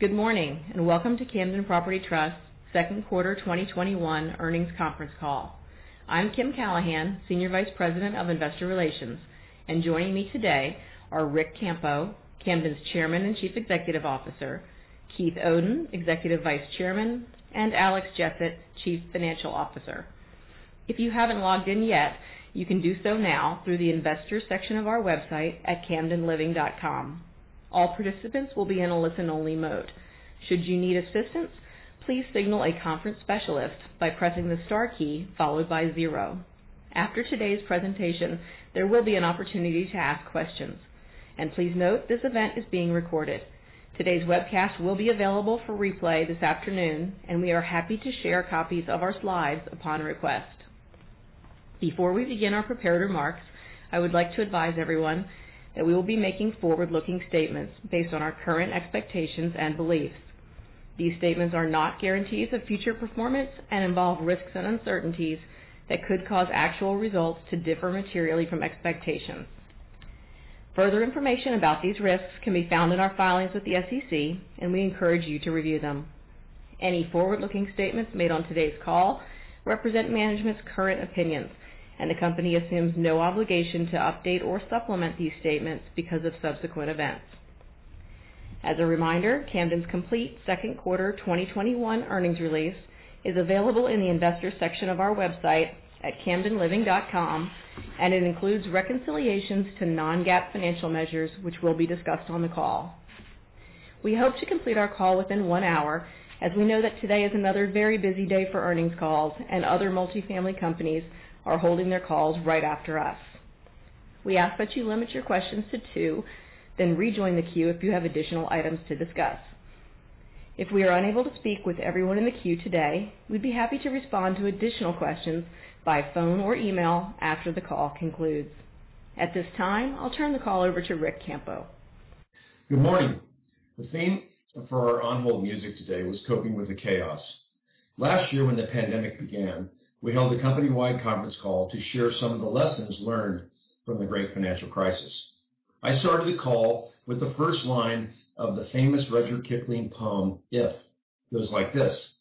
Good morning, welcome to Camden Property Trust second quarter 2021 earnings conference call. I'm Kim Callahan, Senior Vice President of Investor Relations. Joining me today are Ric Campo, Camden's Chairman and Chief Executive Officer, Keith Oden, Executive Vice Chairman, and Alex Jessett, Chief Financial Officer. If you haven't logged in yet, you can do so now through the investors section of our website at camdenliving.com. All participants will be in a listen-only mode. Should you need assistance, please signal a conference specialist by pressing the star key followed by zero. After today's presentation, there will be an opportunity to ask questions. Please note this event is being recorded. Today's webcast will be available for replay this afternoon, and we are happy to share copies of our slides upon request. Before we begin our prepared remarks, I would like to advise everyone that we will be making forward-looking statements based on our current expectations and beliefs. These statements are not guarantees of future performance and involve risks and uncertainties that could cause actual results to differ materially from expectations. Further information about these risks can be found in our filings with the SEC, and we encourage you to review them. Any forward-looking statements made on today's call represent management's current opinions, and the company assumes no obligation to update or supplement these statements because of subsequent events. As a reminder, Camden's complete second quarter 2021 earnings release is available in the investors section of our website at camdenliving.com, and it includes reconciliations to non-GAAP financial measures, which will be discussed on the call. We hope to complete our call within 1 hour, as we know that today is another very busy day for earnings calls and other multifamily companies are holding their calls right after us. We ask that you limit your questions to two, then rejoin the queue if you have additional items to discuss. If we are unable to speak with everyone in the queue today, we'd be happy to respond to additional questions by phone or email after the call concludes. At this time, I'll turn the call over to Ric Campo. Good morning. The theme for our on-hold music today was coping with the chaos. Last year when the pandemic began, we held a company-wide conference call to share some of the lessons learned from the Great Financial Crisis. I started the call with the first line of the famous Rudyard Kipling poem, "If." It goes like this,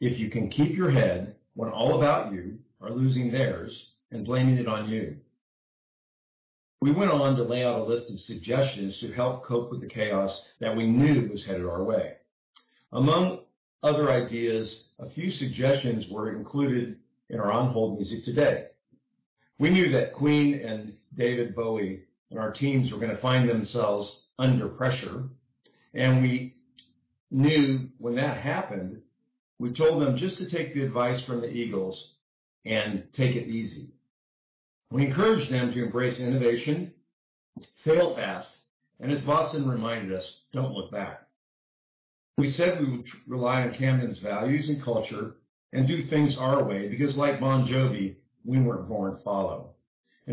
"If you can keep your head when all about you are losing theirs and blaming it on you." We went on to lay out a list of suggestions to help cope with the chaos that we knew was headed our way. Among other ideas, a few suggestions were included in our on-hold music today. We knew that Queen and David Bowie and our teams were going to find themselves under pressure. We knew when that happened, we told them just to take the advice from the Eagles and take it easy. We encouraged them to embrace innovation, fail fast, and as Boston reminded us, don't look back. We said we would rely on Camden's values and culture and do things our way because, like Bon Jovi, we weren't born to follow.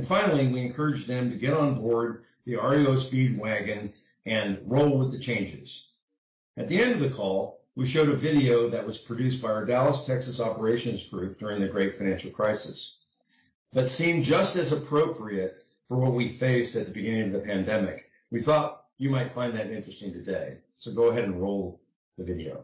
Finally, we encouraged them to get on board the REO Speedwagon and roll with the changes. At the end of the call, we showed a video that was produced by our Dallas, Texas operations group during the great financial crisis, but seemed just as appropriate for what we faced at the beginning of the pandemic. We thought you might find that interesting today. Go ahead and roll the video.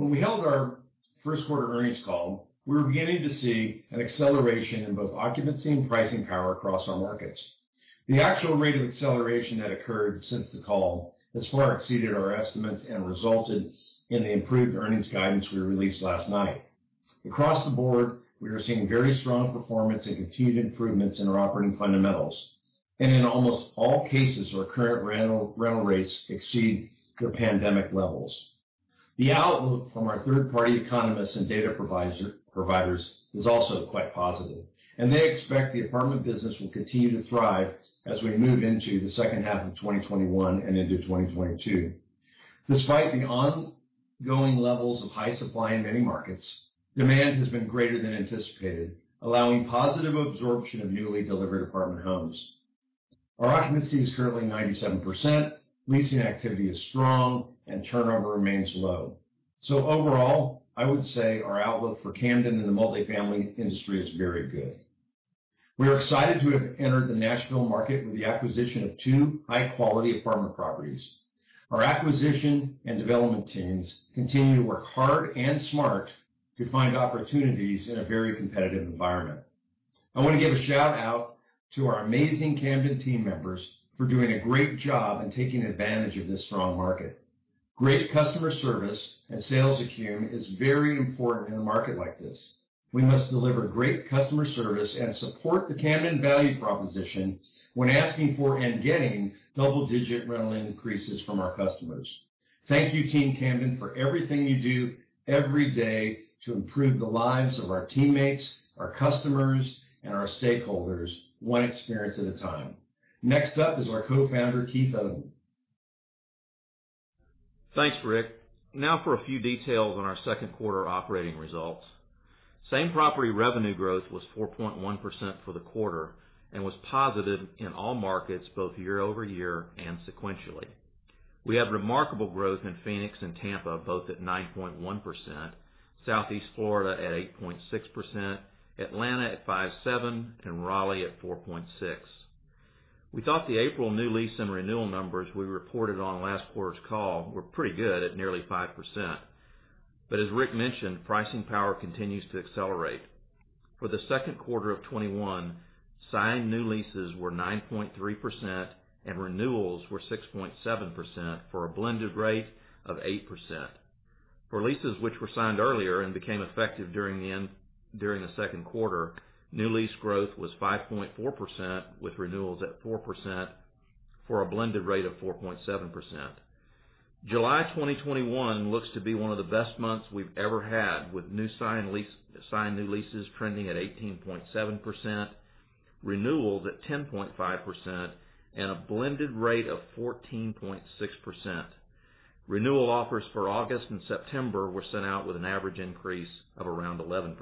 When we held our first quarter earnings call, we were beginning to see an acceleration in both occupancy and pricing power across our markets. The actual rate of acceleration that occurred since the call has far exceeded our estimates and resulted in the improved earnings guidance we released last night. Across the board, we are seeing very strong performance and continued improvements in our operating fundamentals. In almost all cases, our current rental rates exceed their pandemic levels. The outlook from our third-party economists and data providers is also quite positive, and they expect the apartment business will continue to thrive as we move into the second half of 2021 and into 2022. Despite the ongoing levels of high supply in many markets, demand has been greater than anticipated, allowing positive absorption of newly delivered apartment homes. Our occupancy is currently 97%, leasing activity is strong, and turnover remains low. Overall, I would say our outlook for Camden and the multifamily industry is very good. We are excited to have entered the Nashville market with the acquisition of two high-quality apartment properties. Our acquisition and development teams continue to work hard and smart to find opportunities in a very competitive environment. I want to give a shout-out to our amazing Camden team members for doing a great job and taking advantage of this strong market. Great customer service and sales acumen is very important in a market like this. We must deliver great customer service and support the Camden value proposition when asking for and getting double-digit rental increases from our customers. Thank you, Team Camden, for everything you do every day to improve the lives of our teammates, our customers, and our stakeholders, one experience at a time. Next up is our co-founder, Keith Oden. Thanks, Ric. For a few details on our second quarter operating results. Same-property revenue growth was 4.1% for the quarter and was positive in all markets, both year-over-year and sequentially. We had remarkable growth in Phoenix and Tampa, both at 9.1%, Southeast Florida at 8.6%, Atlanta at 5.7%, and Raleigh at 4.6%. We thought the April new lease and renewal numbers we reported on last quarter's call were pretty good at nearly 5%. As Ric mentioned, pricing power continues to accelerate. For the second quarter of 2021, signed new leases were 9.3% and renewals were 6.7% for a blended rate of 8%. For leases which were signed earlier and became effective during the second quarter, new lease growth was 5.4%, with renewals at 4% for a blended rate of 4.7%. July 2021 looks to be one of the best months we've ever had, with signed new leases trending at 18.7%, renewals at 10.5%, and a blended rate of 14.6%. Renewal offers for August and September were sent out with an average increase of around 11%.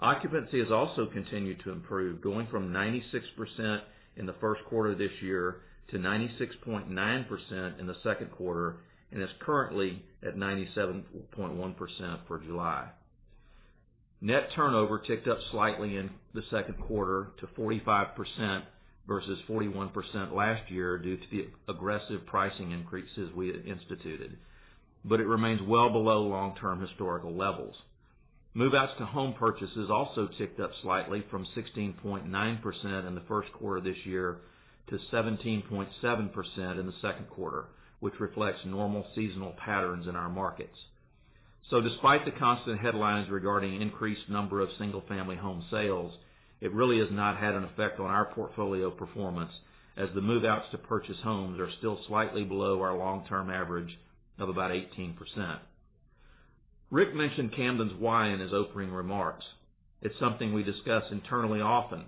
Occupancy has also continued to improve, going from 96% in the first quarter of this year to 96.9% in the second quarter and is currently at 97.1% for July. Net turnover ticked up slightly in the second quarter to 45% versus 41% last year due to the aggressive pricing increases we had instituted, but it remains well below long-term historical levels. Move-outs to home purchases also ticked up slightly from 16.9% in the first quarter of this year to 17.7% in the second quarter, which reflects normal seasonal patterns in our markets. Despite the constant headlines regarding increased number of single-family home sales, it really has not had an effect on our portfolio performance as the move-outs to purchase homes are still slightly below our long-term average of about 18%. Ric mentioned Camden's why in his opening remarks. It's something we discuss internally often.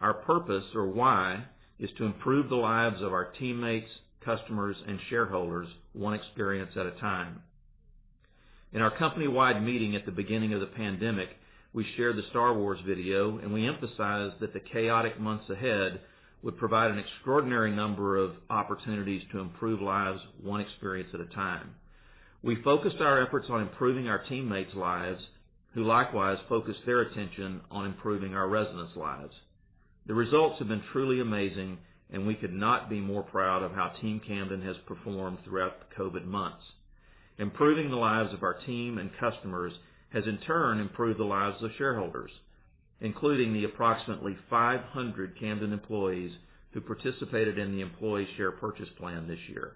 Our purpose or why is to improve the lives of our teammates, customers, and shareholders one experience at a time. In our company-wide meeting at the beginning of the pandemic, we shared the "Star Wars" video, and we emphasized that the chaotic months ahead would provide an extraordinary number of opportunities to improve lives one experience at a time. We focused our efforts on improving our teammates' lives, who likewise focused their attention on improving our residents' lives. The results have been truly amazing, and we could not be more proud of how Team Camden has performed throughout the COVID months. Improving the lives of our team and customers has in turn improved the lives of shareholders, including the approximately 500 Camden employees who participated in the employee share purchase plan this year.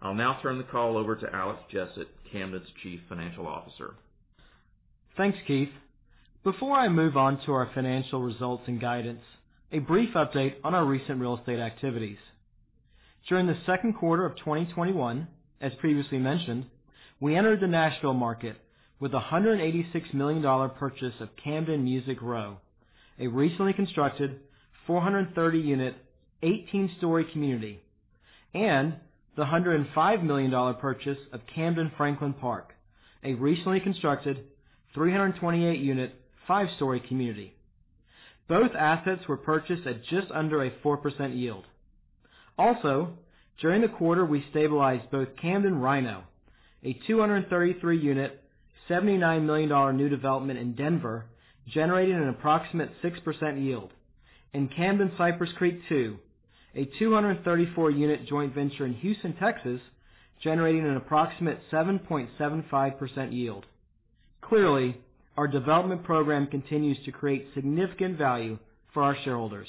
I'll now turn the call over to Alex Jessett, Camden's Chief Financial Officer. Thanks, Keith. Before I move on to our financial results and guidance, a brief update on our recent real estate activities. During the second quarter of 2021, as previously mentioned, we entered the Nashville market with a $186 million purchase of Camden Music Row, a recently constructed 430-unit, 18-story community, and the $105 million purchase of Camden Franklin Park, a recently constructed 328-unit, five-story community. Both assets were purchased at just under a 4% yield. During the quarter, we stabilized both Camden RiNo, a 233-unit, $79 million new development in Denver, generating an approximate 6% yield, and Camden Cypress Creek II, a 234-unit joint venture in Houston, Texas, generating an approximate 7.75% yield. Clearly, our development program continues to create significant value for our shareholders.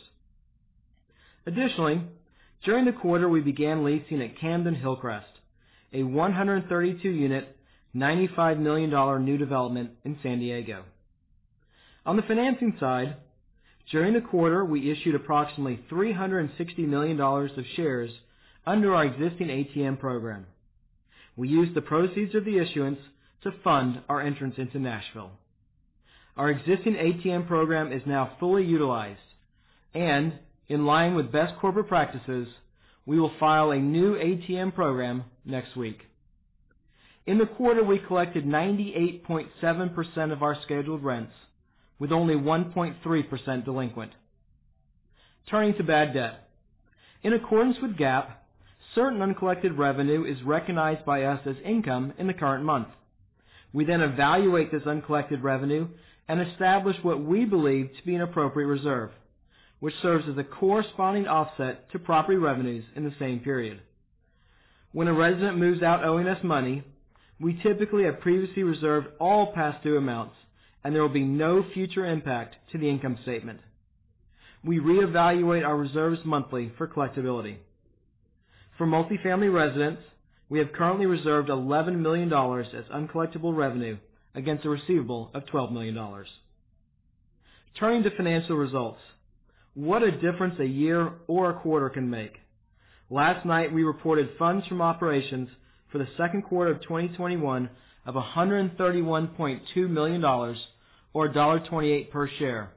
During the quarter, we began leasing at Camden Hillcrest, a 132-unit, $95 million new development in San Diego. On the financing side, during the quarter, we issued approximately $360 million of shares under our existing ATM program. We used the proceeds of the issuance to fund our entrance into Nashville. Our existing ATM program is now fully utilized and in line with best corporate practices, we will file a new ATM program next week. In the quarter, we collected 98.7% of our scheduled rents with only 1.3% delinquent. Turning to bad debt. In accordance with GAAP, certain uncollected revenue is recognized by us as income in the current month. We then evaluate this uncollected revenue and establish what we believe to be an appropriate reserve, which serves as a corresponding offset to property revenues in the same period. When a resident moves out owing us money, we typically have previously reserved all past due amounts, and there will be no future impact to the income statement. We reevaluate our reserves monthly for collectibility. For multifamily residents, we have currently reserved $11 million as uncollectible revenue against a receivable of $12 million. Turning to financial results. What a difference a year or a quarter can make. Last night, we reported Funds From Operations for the second quarter of 2021 of $131.2 million, or $1.28 per share,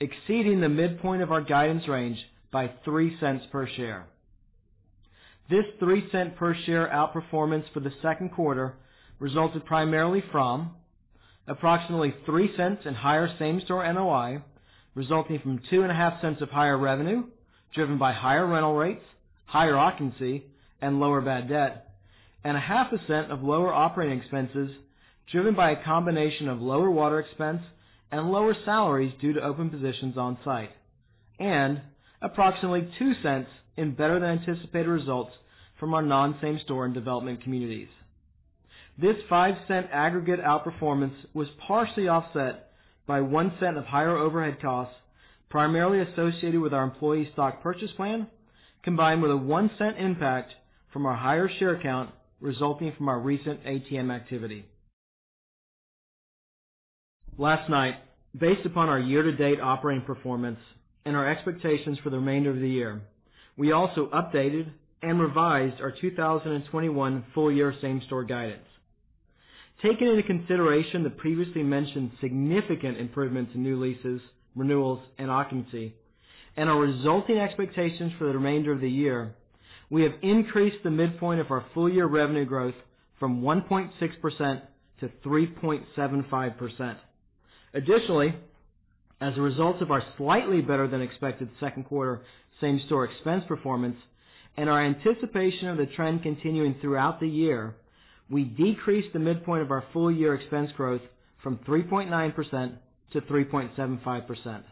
exceeding the midpoint of our guidance range by $0.03 per share. This $0.03 per share outperformance for the second quarter resulted primarily from approximately $0.03 in higher same-store NOI, resulting from $0.025 of higher revenue, driven by higher rental rates, higher occupancy, and lower bad debt, and 0.5% of lower operating expenses driven by a combination of lower water expense and lower salaries due to open positions on site, and approximately $0.02 in better-than-anticipated results from our non-same-store and development communities. This $0.05 aggregate outperformance was partially offset by $0.01 of higher overhead costs, primarily associated with our employee stock purchase plan, combined with a $0.01 impact from our higher share count resulting from our recent ATM activity. Last night, based upon our year-to-date operating performance and our expectations for the remainder of the year, we also updated and revised our 2021 full-year same-store guidance. Taking into consideration the previously mentioned significant improvements in new leases, renewals, and occupancy, and our resulting expectations for the remainder of the year, we have increased the midpoint of our full-year revenue growth from 1.6% to 3.75%. Additionally, as a result of our slightly better than expected second quarter same-store expense performance and our anticipation of the trend continuing throughout the year, we decreased the midpoint of our full-year expense growth from 3.9% to 3.75%.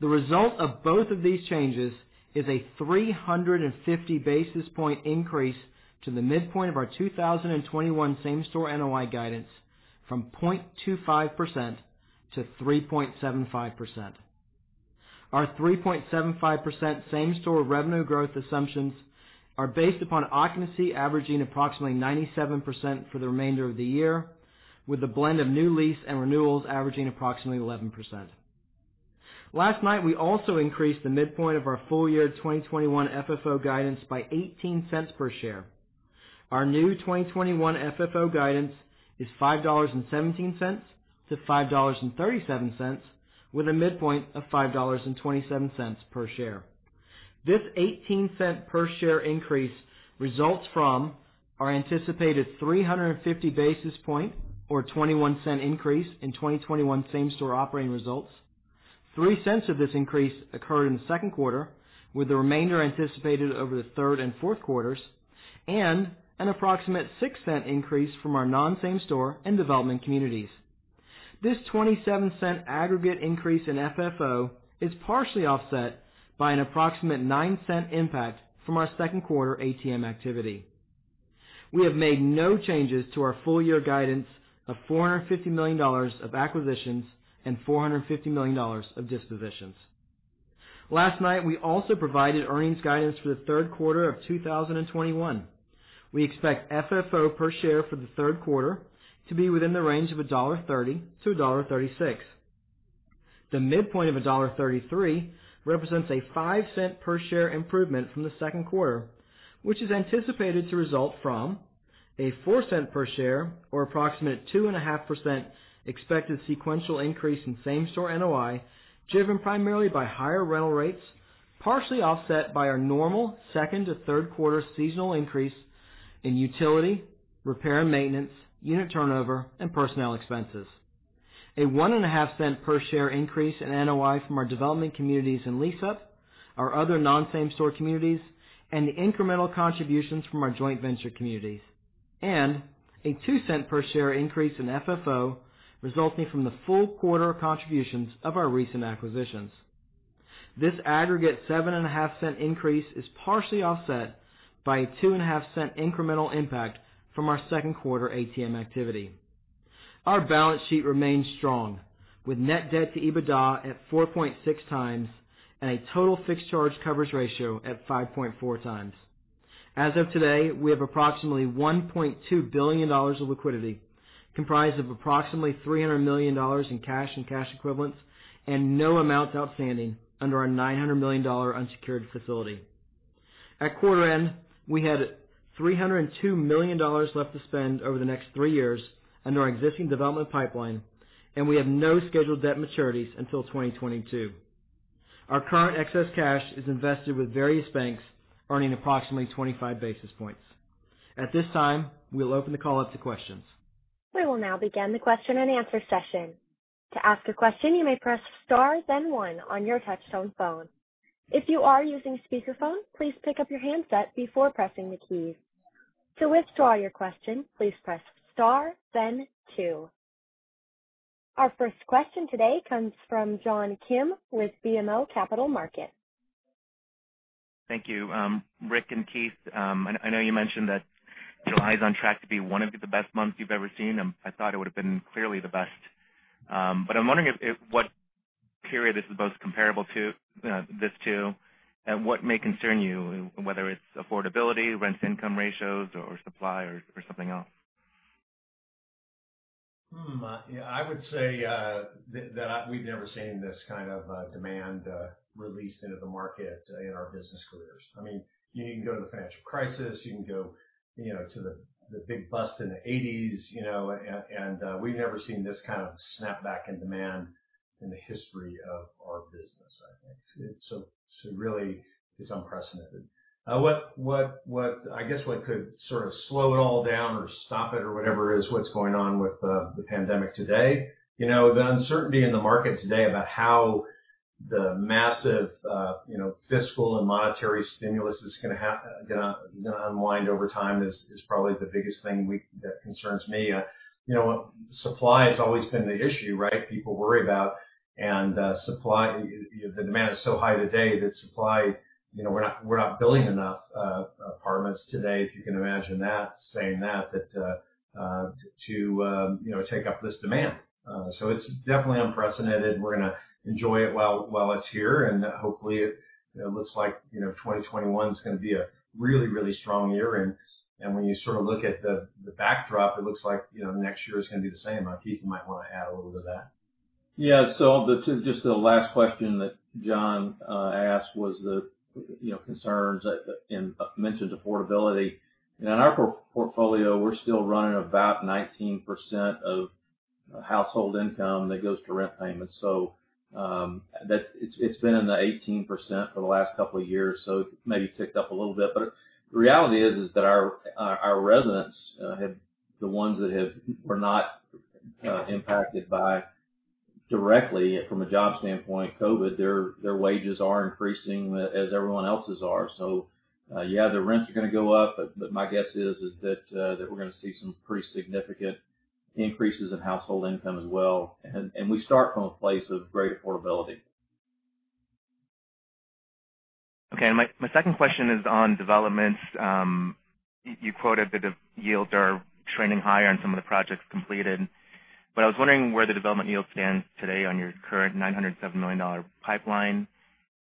The result of both of these changes is a 350 basis points increase to the midpoint of our 2021 same-store NOI guidance from 0.25% to 3.75%. Our 3.75% same-store revenue growth assumptions are based upon occupancy averaging approximately 97% for the remainder of the year, with a blend of new lease and renewals averaging approximately 11%. Last night, we also increased the midpoint of our full-year 2021 FFO guidance by $0.18 per share. Our new 2021 FFO guidance is $5.17-$5.37, with a midpoint of $5.27 per share. This $0.18 per share increase results from our anticipated 350 basis points or $0.21 increase in 2021 same-store operating results. $0.03 of this increase occurred in the second quarter, with the remainder anticipated over the third and fourth quarters, and an approximate $0.06 increase from our non-same store and development communities. This $0.27 aggregate increase in FFO is partially offset by an approximate $0.09 impact from our second quarter ATM activity. We have made no changes to our full-year guidance of $450 million of acquisitions and $450 million of dispositions. Last night, we also provided earnings guidance for the third quarter of 2021. We expect FFO per share for the third quarter to be within the range of $1.30-$1.36. The midpoint of $1.33 represents a $0.05 per share improvement from the second quarter, which is anticipated to result from a $0.04 per share, or approximate 2.5% expected sequential increase in same-store NOI, driven primarily by higher rental rates, partially offset by our normal second to third quarter seasonal increase in utility, repair and maintenance, unit turnover, and personnel expenses. A $0.015 per share increase in NOI from our development communities and lease-up, our other non-same store communities, and the incremental contributions from our joint venture communities, and a $0.02 per share increase in FFO resulting from the full quarter contributions of our recent acquisitions. This aggregate $0.075 increase is partially offset by a $0.025 incremental impact from our second quarter ATM activity. Our balance sheet remains strong, with net debt to EBITDA at 4.6x and a total fixed charge coverage ratio at 5.4x. As of today, we have approximately $1.2 billion of liquidity, comprised of approximately $300 million in cash and cash equivalents, and no amounts outstanding under our $900 million unsecured facility. At quarter end, we had $302 million left to spend over the next three years under our existing development pipeline, and we have no scheduled debt maturities until 2022. Our current excess cash is invested with various banks, earning approximately 25 basis points. At this time, we'll open the call up to questions. We will now begin the question and answer session. To ask a question, you may press star then one on your touchtone phone. If you are using speakerphone, please pick up your handset before pressing the keys. To withdraw your question, please press star then two. Our first question today comes from John Kim with BMO Capital Markets. Thank you. Ric and Keith, I know you mentioned that July is on track to be one of the best months you've ever seen. I thought it would've been clearly the best. I'm wondering what period this is most comparable to, and what may concern you, whether it's affordability, rent-to-income ratios, or supply, or something else. I would say that we've never seen this kind of demand released into the market in our business careers. You can go to the financial crisis, you can go to the big bust in the 1980s. We've never seen this kind of snap back in demand in the history of our business, I think. Really, it's unprecedented. I guess what could sort of slow it all down or stop it or whatever is what's going on with the pandemic today. The uncertainty in the market today about how the massive fiscal and monetary stimulus is going to unwind over time is probably the biggest thing that concerns me. Supply has always been the issue, right? The demand is so high today that supply, we're not building enough apartments today, if you can imagine that, saying that, to take up this demand. It's definitely unprecedented, and we're going to enjoy it while it's here. Hopefully, it looks like 2021's going to be a really, really strong year. When you sort of look at the backdrop, it looks like next year is going to be the same. Keith, you might want to add a little to that. Yeah. Just the last question that John asked was the concerns and mentioned affordability. In our portfolio, we're still running about 19% of household income that goes to rent payments. It's been in the 18% for the last couple of years, so maybe ticked up a little bit. The reality is that our residents, the ones that were not impacted by, directly from a job standpoint, COVID, their wages are increasing as everyone else's are. Yeah, the rents are going to go up, but my guess is that we're going to see some pretty significant increases in household income as well. We start from a place of great affordability. Okay. My second question is on developments. You quoted that the yields are trending higher on some of the projects completed, but I was wondering where the development yields stand today on your current $907 million pipeline,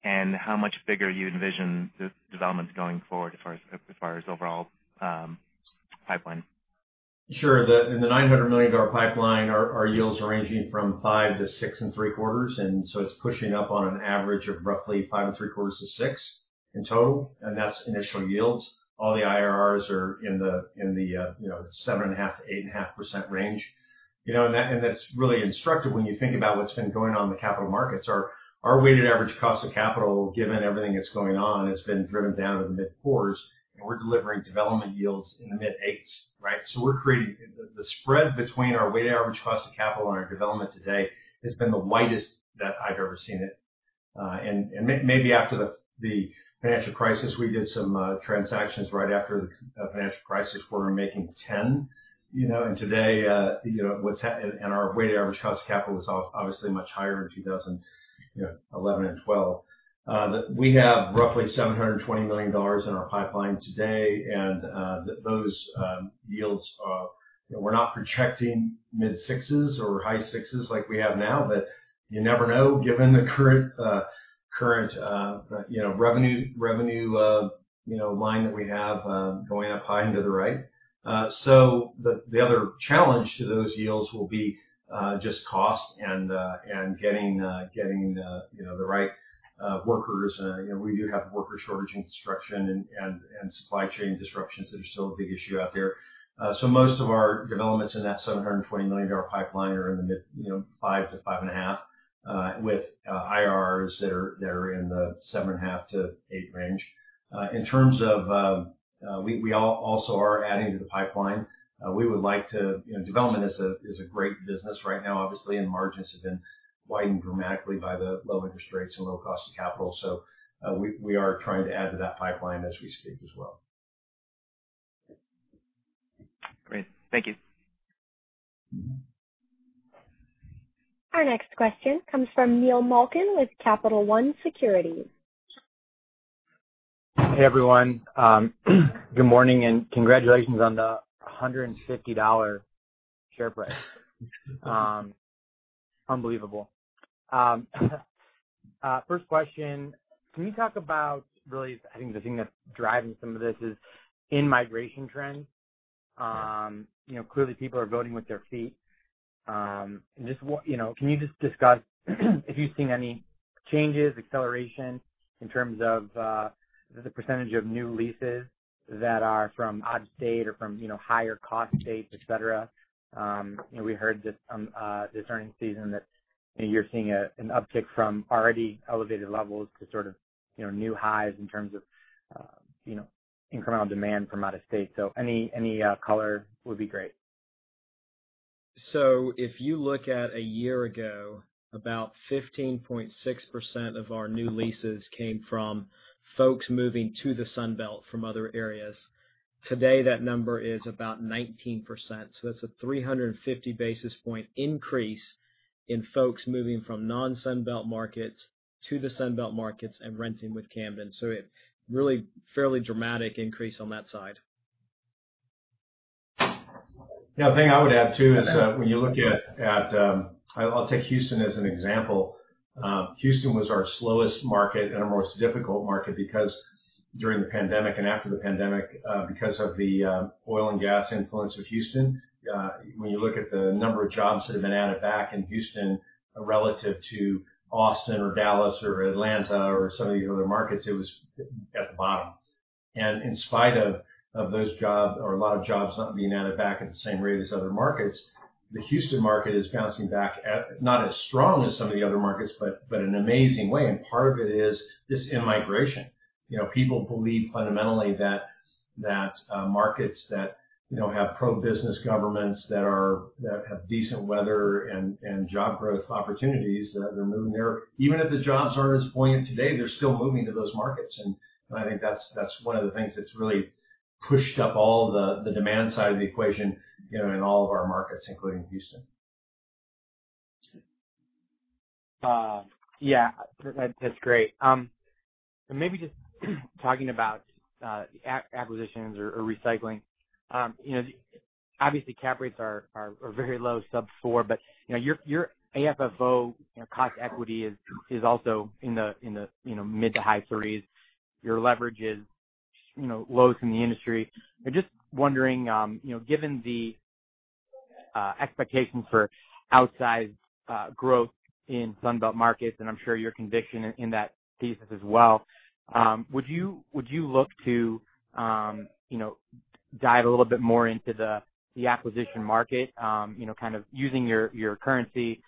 and how much bigger you envision the developments going forward as far as overall pipeline. Sure. In the $900 million pipeline, our yields are ranging from 5% to 6.75%, it's pushing up on an average of roughly 5.75% to 6% in total, and that's initial yields. All the IRRs are in the 7.5%-8.5% range. That's really instructive when you think about what's been going on in the capital markets. Our weighted average cost of capital, given everything that's going on, has been driven down to the mid-4s, and we're delivering development yields in the mid-8s, right? The spread between our weighted average cost of capital and our development today has been the widest that I've ever seen it. Maybe after the financial crisis, we did some transactions right after the financial crisis where we were making 10%. Our weighted average cost of capital was obviously much higher in 2011 and 2012. We have roughly $720 million in our pipeline today, those yields are not projecting mid-sixes or high sixes like we have now. You never know, given the current revenue line that we have going up high and to the right. The other challenge to those yields will be just cost and getting the right workers. We do have a worker shortage in construction and supply chain disruptions that are still a big issue out there. Most of our developments in that $720 million pipeline are in the mid five to five and a half, with IRRs that are in the 7.5-8 range. We also are adding to the pipeline. Development is a great business right now, obviously, and margins have been widened dramatically by the low interest rates and low cost of capital. We are trying to add to that pipeline as we speak as well. Great. Thank you. Our next question comes from Neil Malkin with Capital One Securities. Hey, everyone. Good morning. Congratulations on the $150 share price. Unbelievable. First question, can you talk about really, I think the thing that's driving some of this is in-migration trends. Clearly, people are voting with their feet. Just can you just discuss if you've seen any changes, acceleration in terms of the percentage of new leases that are from out of state or from higher cost states, et cetera? We heard this earnings season that you're seeing an uptick from already elevated levels to sort of new highs in terms of incremental demand from out of state. Any color would be great. If you look at a year ago, about 15.6% of our new leases came from folks moving to the Sun Belt from other areas. Today, that number is about 19%. That's a 350 basis point increase in folks moving from non-Sun Belt markets to the Sun Belt markets and renting with Camden. A really fairly dramatic increase on that side. The only thing I would add, too, is when you look at, I'll take Houston as an example. Houston was our slowest market and our most difficult market because during the pandemic and after the pandemic, because of the oil and gas influence of Houston, when you look at the number of jobs that have been added back in Houston relative to Austin or Dallas or Atlanta or some of these other markets, it was at the bottom. In spite of those jobs or a lot of jobs not being added back at the same rate as other markets, the Houston market is bouncing back at not as strong as some of the other markets, but in an amazing way, and part of it is this in-migration. People believe fundamentally that markets that have pro-business governments, that have decent weather and job growth opportunities, they're moving there. Even if the jobs aren't as buoyant today, they're still moving to those markets. I think that's one of the things that's really pushed up all the demand side of the equation in all of our markets, including Houston. Yeah. That's great. Maybe just talking about acquisitions or recycling. Obviously, cap rates are very low, sub 4. Your AFFO cost equity is also in the mid to high 3s. Your leverage is lowest in the industry. I'm just wondering, given the expectations for outsized growth in Sun Belt markets, and I'm sure your conviction in that thesis as well, would you look to dive a little bit more into the acquisition market, kind of using your currency,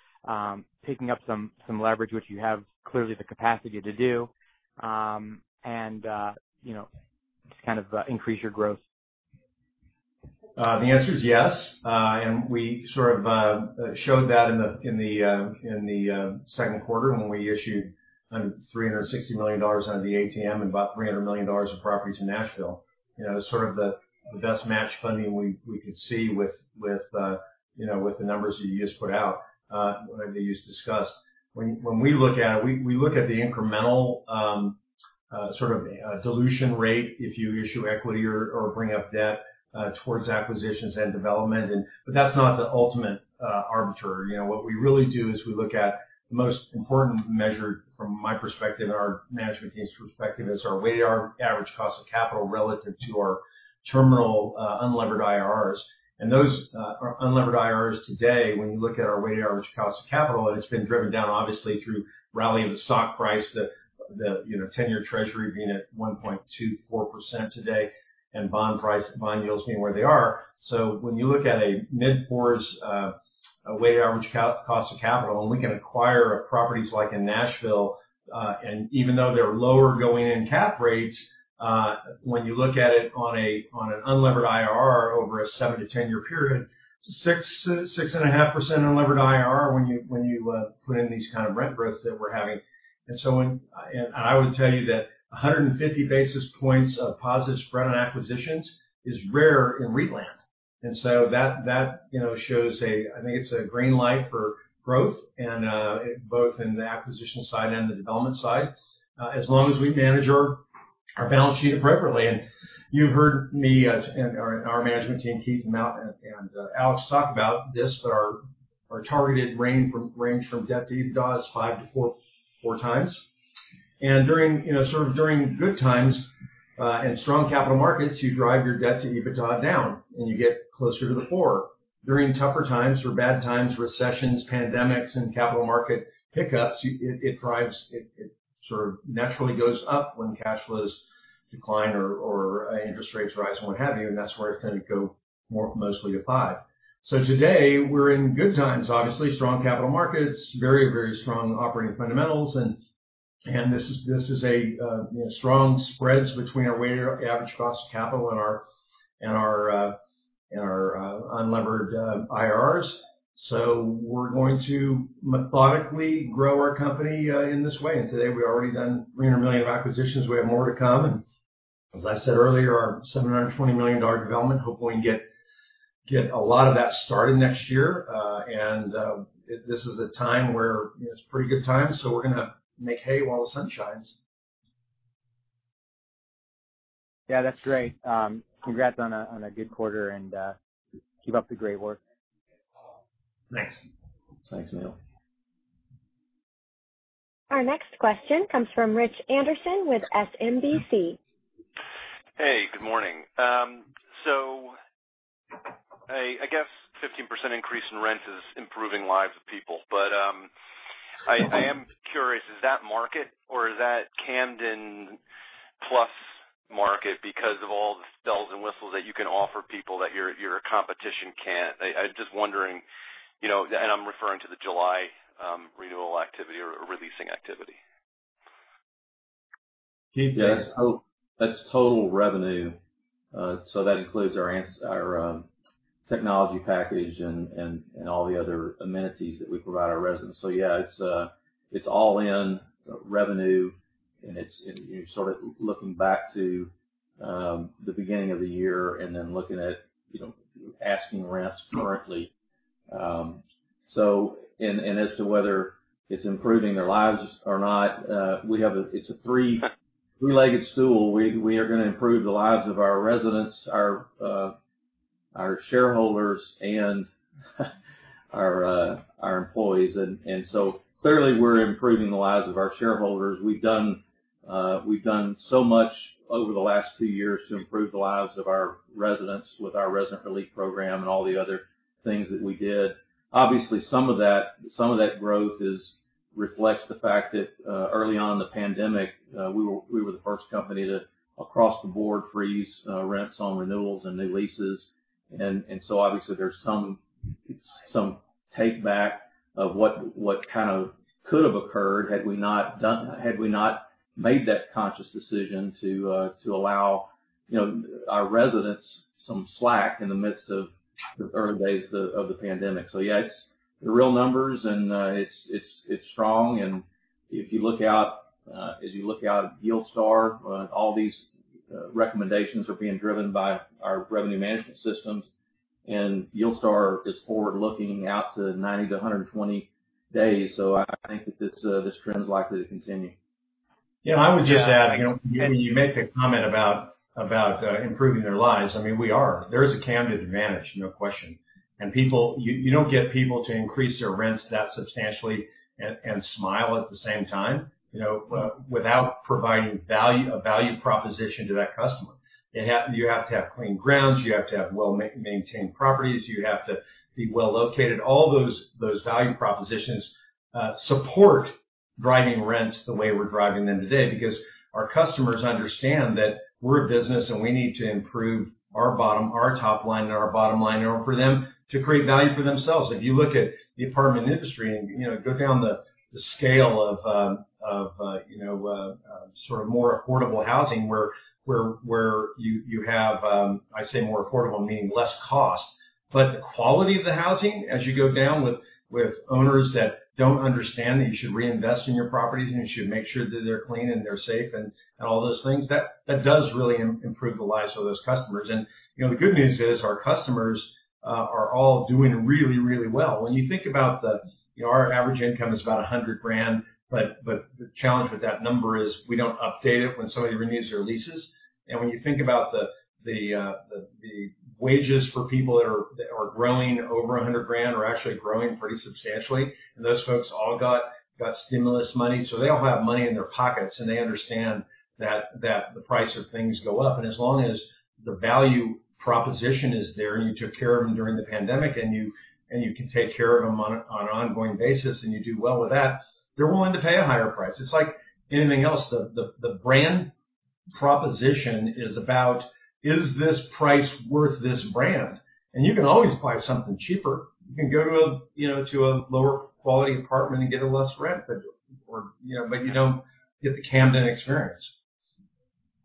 taking up some leverage, which you have clearly the capacity to do, and just kind of increase your growth? The answer is yes. We sort of showed that in the second quarter when we issued $360 million under the ATM and bought $300 million of properties in Nashville. It was sort of the best match funding we could see with the numbers that you just put out or that you just discussed. When we look at it, we look at the incremental sort of dilution rate if you issue equity or bring up debt towards acquisitions and development. That's not the ultimate arbiter. What we really do is we look at the most important measure from my perspective and our management team's perspective is our weighted average cost of capital relative to our terminal unlevered IRRs. Those unlevered IRRs today, when you look at our weighted average cost of capital, and it's been driven down obviously through rally of the stock price, the 10-year Treasury being at 1.24% today, and bond price, bond yields being where they are. When you look at a mid-4s weighted average cost of capital, and we can acquire properties like in Nashville, and even though they're lower going in cap rates, when you look at it on an unlevered IRR over a seven to 10-year period, it's a 6.5% unlevered IRR when you put in these kind of rent growths that we're having. I would tell you that 150 basis points of positive spread on acquisitions is rare in real estate. That shows a, I think it's a green light for growth and both in the acquisition side and the development side. As long as we manage our balance sheet appropriately. You've heard me, and our management team, Keith and Alex talk about this, our targeted range from debt to EBITDA is 5x to 4x. Sort of during good times and strong capital markets, you drive your debt to EBITDA down, and you get closer to the 4x. During tougher times or bad times, recessions, pandemics, and capital market hiccups, it sort of naturally goes up when cash flows decline or interest rates rise, what have you, and that's where it's going to go more mostly to 5x. Today, we're in good times, obviously, strong capital markets, very strong operating fundamentals, and this is a strong spreads between our weighted average cost of capital and our unlevered IRRs. We're going to methodically grow our company in this way. Today, we've already done $300 million of acquisitions. We have more to come. As I said earlier, our $720 million development, hopefully we can get a lot of that started next year. This is a time where it's pretty good times, so we're going to make hay while the sun shines. Yeah, that's great. Congrats on a good quarter and keep up the great work. Thanks. Thanks, Neil. Our next question comes from Rich Anderson with SMBC. Hey, good morning. I guess 15% increase in rent is improving lives of people. I am curious, is that market or is that Camden plus market because of all the bells and whistles that you can offer people that your competition can't? I'm just wondering, and I'm referring to the July renewal activity or leasing activity. Keith, do you want to- Yeah. That's total revenue. That includes our technology package and all the other amenities that we provide our residents. Yeah, it's all in revenue, and you're sort of looking back to the beginning of the year and then looking at asking rents currently. As to whether it's improving their lives or not, it's a three-legged stool. We are going to improve the lives of our residents, our shareholders, and our employees. Clearly we're improving the lives of our shareholders. We've done so much over the last two years to improve the lives of our residents with our Resident Relief Fund and all the other things that we did. Obviously, some of that growth reflects the fact that early on in the pandemic, we were the first company to, across the board, freeze rents on renewals and new leases. Obviously there's some take-back of what could have occurred had we not made that conscious decision to allow our residents some slack in the midst of the early days of the pandemic. Yes, they're real numbers and it's strong. As you look out at YieldStar, all these recommendations are being driven by our revenue management systems, and YieldStar is forward-looking out to 90-120 days. I think that this trend is likely to continue. Yeah, I would just add, when you make the comment about improving their lives, we are. There is a Camden advantage, no question. You don't get people to increase their rents that substantially and smile at the same time without providing a value proposition to that customer. You have to have clean grounds. You have to have well-maintained properties. You have to be well-located. All those value propositions support driving rents the way we're driving them today because our customers understand that we're a business, and we need to improve our top line and our bottom line in order for them to create value for themselves. If you look at the apartment industry and go down the scale of sort of more affordable housing where you have I say more affordable, meaning less cost. The quality of the housing as you go down with owners that don't understand that you should reinvest in your properties and you should make sure that they're clean and they're safe and all those things, that does really improve the lives of those customers. The good news is our customers are all doing really well. When you think about our average income is about $100,000, but the challenge with that number is we don't update it when somebody renews their leases. When you think about the wages for people that are growing over $100,000 are actually growing pretty substantially, and those folks all got stimulus money. They all have money in their pockets, and they understand that the price of things go up. As long as the value proposition is there, and you took care of them during the pandemic, and you can take care of them on an ongoing basis, and you do well with that, they're willing to pay a higher price. It's like anything else. The brand proposition is about, "Is this price worth this brand?" You can always buy something cheaper. You can go to a lower quality apartment and get a less rent, but you don't get the Camden experience.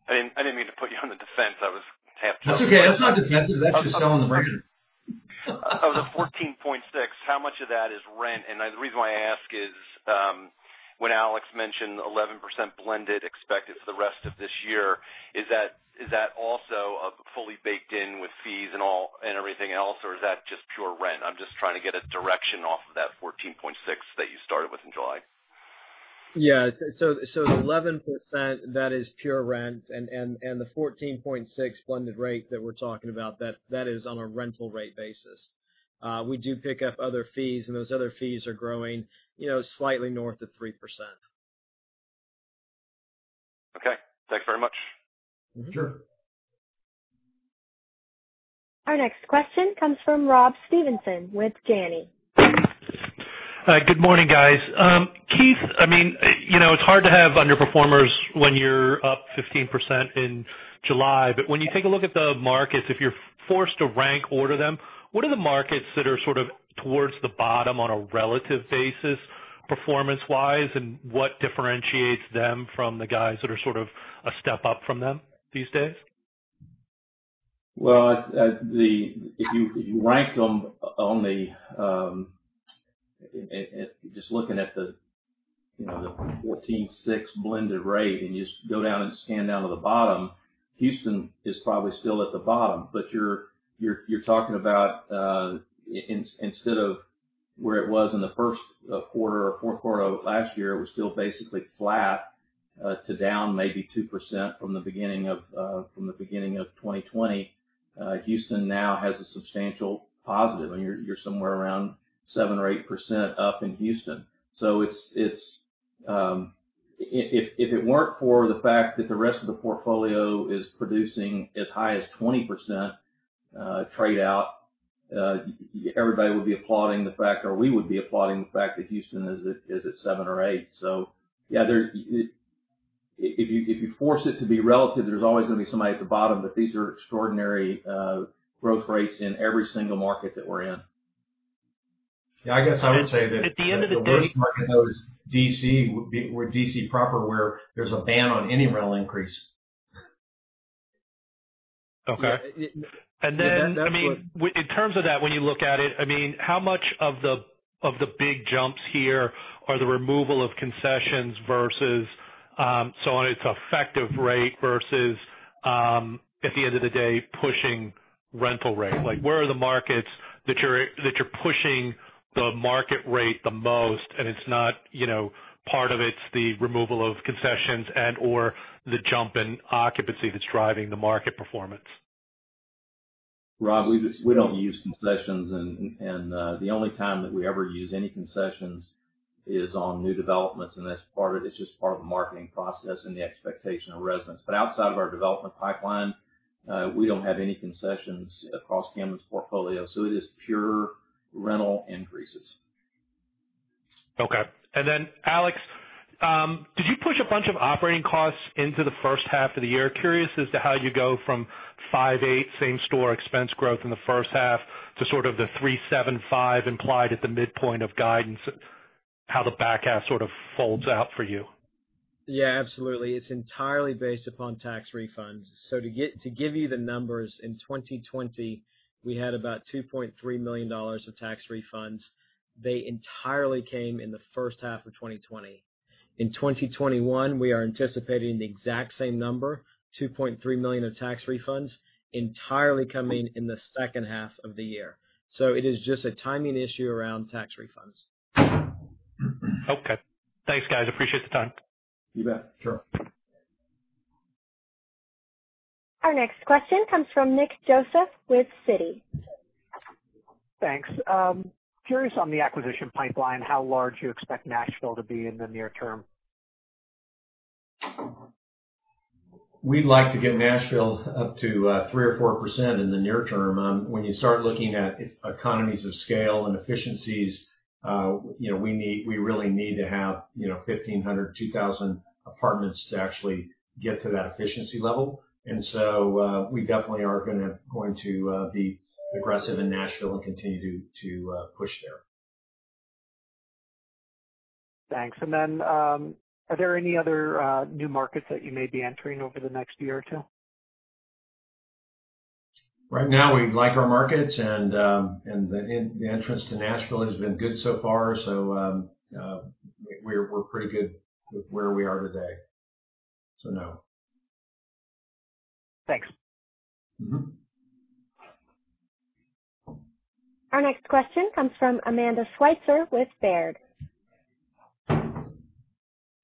I didn't mean to put you on the defense. I was half joking. That's okay. That's not defensive. That's just selling the brand. Of the 14.6, how much of that is rent? The reason why I ask is, when Alex mentioned 11% blended expected for the rest of this year, is that also fully baked in with fees and everything else? Is that just pure rent? I'm just trying to get a direction off of that 14.6 that you started with in July. Yeah. The 11%, that is pure rent. The 14.6 blended rate that we're talking about, that is on a rental rate basis. We do pick up other fees, and those other fees are growing slightly north of 3%. Okay. Thanks very much. Sure. Our next question comes from Robert Stevenson with Janney. Hi. Good morning, guys. Keith, it's hard to have underperformers when you're up 15% in July. When you take a look at the markets, if you're forced to rank order them, what are the markets that are sort of towards the bottom on a relative basis performance-wise, and what differentiates them from the guys that are sort of a step up from them these days? Well, if you rank them Just looking at the 14.6 blended rate and you just go down and scan down to the bottom, Houston is probably still at the bottom. You're talking about instead of where it was in the first quarter or fourth quarter of last year, it was still basically flat. To down maybe 2% from the beginning of 2020. Houston now has a substantial positive, and you're somewhere around 7% or 8% up in Houston. If it weren't for the fact that the rest of the portfolio is producing as high as 20% trade out, everybody would be applauding the fact, or we would be applauding the fact that Houston is at 7% or 8%. Yeah, if you force it to be relative, there's always going to be somebody at the bottom, but these are extraordinary growth rates in every single market that we're in. Yeah, I guess I would say that. At the end of the day. the worst market though is D.C., where D.C. proper, where there's a ban on any rental increase. Yeah. Okay. That's what- In terms of that, when you look at it, how much of the big jumps here are the removal of concessions versus, so on its effective rate, versus, at the end of the day, pushing rental rate? Where are the markets that you're pushing the market rate the most and it's not part of it's the removal of concessions and/or the jump in occupancy that's driving the market performance? Rob, we don't use concessions, and the only time that we ever use any concessions is on new developments, and that's part of it. It's just part of the marketing process and the expectation of residents. Outside of our development pipeline, we don't have any concessions across Camden's portfolio, so it is pure rental increases. Okay. Alex, did you push a bunch of operating costs into the first half of the year? Curious as to how you go from 58% same store expense growth in the first half to sort of the 375% implied at the midpoint of guidance, how the back half sort of folds out for you. Yeah, absolutely. It's entirely based upon tax refunds. To give you the numbers, in 2020, we had about $2.3 million of tax refunds. They entirely came in the first half of 2020. In 2021, we are anticipating the exact same number, $2.3 million of tax refunds, entirely coming in the second half of the year. It is just a timing issue around tax refunds. Okay. Thanks, guys, appreciate the time. You bet. Sure. Our next question comes from Nick Joseph with Citi. Thanks. Curious on the acquisition pipeline, how large you expect Nashville to be in the near term? We'd like to get Nashville up to 3% or 4% in the near term. When you start looking at economies of scale and efficiencies, we really need to have 1,500, 2,000 apartments to actually get to that efficiency level. We definitely are going to be aggressive in Nashville and continue to push there. Thanks. Then, are there any other new markets that you may be entering over the next year or two? Right now, we like our markets, and the entrance to Nashville has been good so far. We're pretty good with where we are today. No. Thanks. Our next question comes from Amanda Sweitzer with Baird.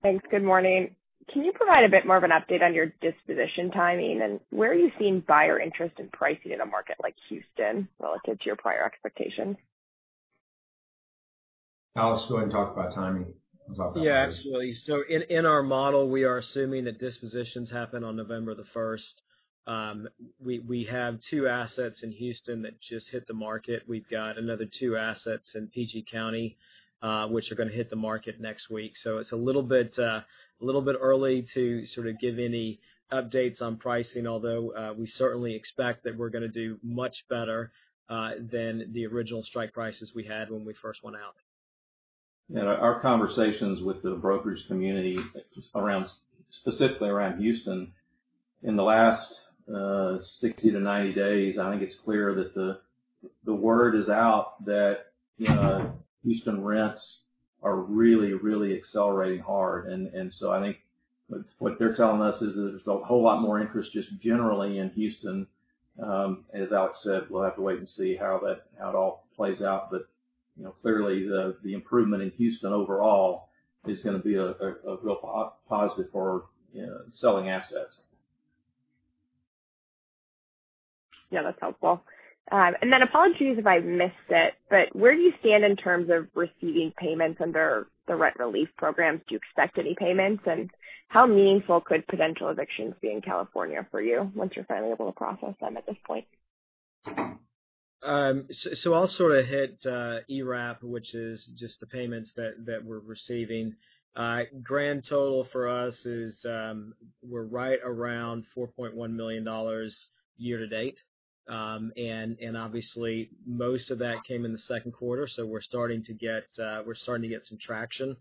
Thanks. Good morning. Can you provide a bit more of an update on your disposition timing. Where are you seeing buyer interest in pricing in a market like Houston relative to your prior expectations? Alex, go ahead and talk about timing. Yeah, absolutely. In our model, we are assuming that dispositions happen on November the 1st. We have two assets in Houston that just hit the market. We've got another two assets in P.G. County, which are going to hit the market next week. It's a little bit early to sort of give any updates on pricing, although, we certainly expect that we're going to do much better, than the original strike prices we had when we first went out. Our conversations with the brokerage community specifically around Houston in the last 60 to 90 days, I think it's clear that the word is out that Houston rents are really accelerating hard. I think what they're telling us is that there's a whole lot more interest just generally in Houston. As Alex said, we'll have to wait and see how it all plays out. Clearly the improvement in Houston overall is going to be a real positive for selling assets. Yeah, that's helpful. Apologies if I missed it, where do you stand in terms of receiving payments under the rent relief programs? Do you expect any payments? How meaningful could potential evictions be in California for you once you're finally able to process them at this point? I'll sort of hit ERAP, which is just the payments that we're receiving. Grand total for us is we're right around $4.1 million year to date. Obviously most of that came in the second quarter, so we're starting to get some traction.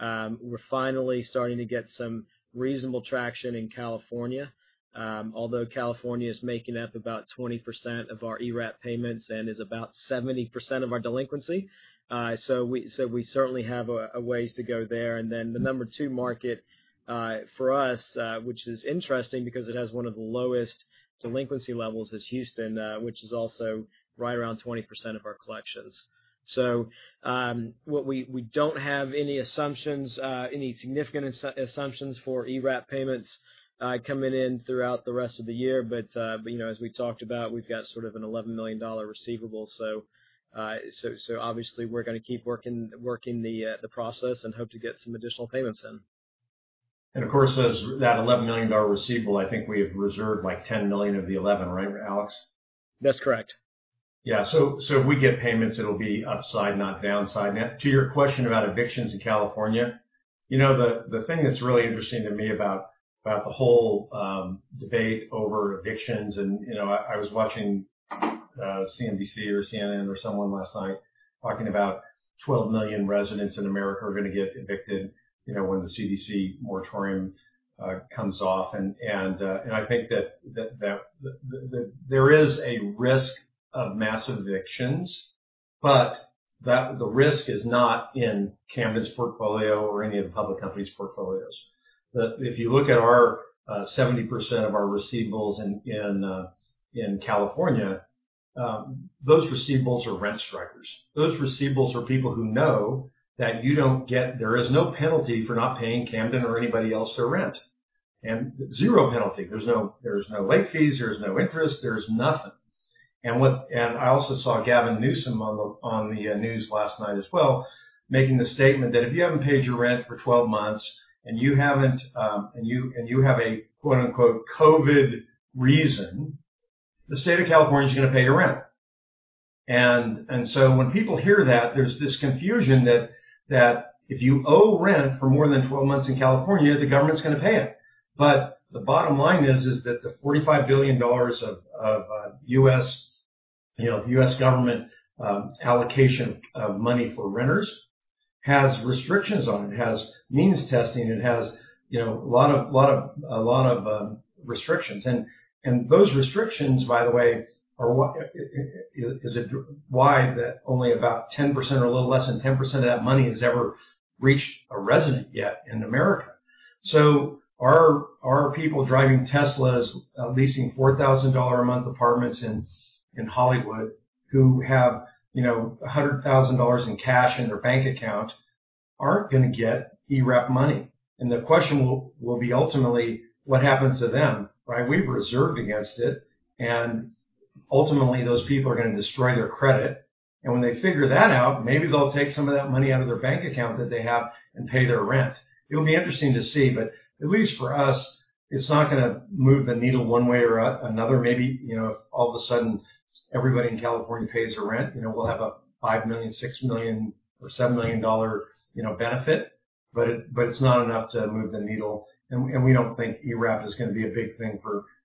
We're finally starting to get some reasonable traction in California. California's making up about 20% of our ERAP payments and is about 70% of our delinquency. We certainly have a ways to go there. Then the number two market for us, which is interesting because it has one of the lowest delinquency levels, is Houston, which is also right around 20% of our collections. We don't have any significant assumptions for ERAP payments coming in throughout the rest of the year. As we talked about, we've got sort of an $11 million receivable. Obviously we're going to keep working the process and hope to get some additional payments in. Of course, as that $11 million receivable, I think we have reserved like $10 million of the $11, right, Alex? That's correct. If we get payments, it'll be upside, not downside. To your question about evictions in California, the thing that's really interesting to me about the whole debate over evictions, I was watching CNBC or CNN or someone last night talking about 12 million residents in America are going to get evicted when the CDC moratorium comes off. I think that there is a risk of mass evictions, but that the risk is not in Camden's portfolio or any of the public company's portfolios. If you look at our 70% of our receivables in California, those receivables are rent strikers. Those receivables are people who know that there is no penalty for not paying Camden or anybody else their rent. Zero penalty. There's no late fees, there's no interest, there's nothing. I also saw Gavin Newsom on the news last night as well, making the statement that if you haven't paid your rent for 12 months, and you have a quote unquote 'COVID reason,' the state of California is going to pay your rent. When people hear that, there's this confusion that if you owe rent for more than 12 months in California, the government's going to pay it. The bottom line is that the $45 billion of U.S. government allocation of money for renters has restrictions on it. It has means testing, it has a lot of restrictions. Those restrictions, by the way, is why that only about 10% or a little less than 10% of that money has ever reached a resident yet in America. Our people driving Teslas, leasing $4,000 a month apartments in Hollywood, who have $100,000 in cash in their bank account, aren't going to get ERAP money. The question will be ultimately what happens to them, right? We've reserved against it. Ultimately, those people are going to destroy their credit. When they figure that out, maybe they'll take some of that money out of their bank account that they have and pay their rent. It'll be interesting to see. At least for us, it's not going to move the needle one way or another. Maybe if all of a sudden everybody in California pays their rent, we'll have a $5 million, $6 million, or $7 million benefit. It's not enough to move the needle. We don't think ERAP is going to be a big thing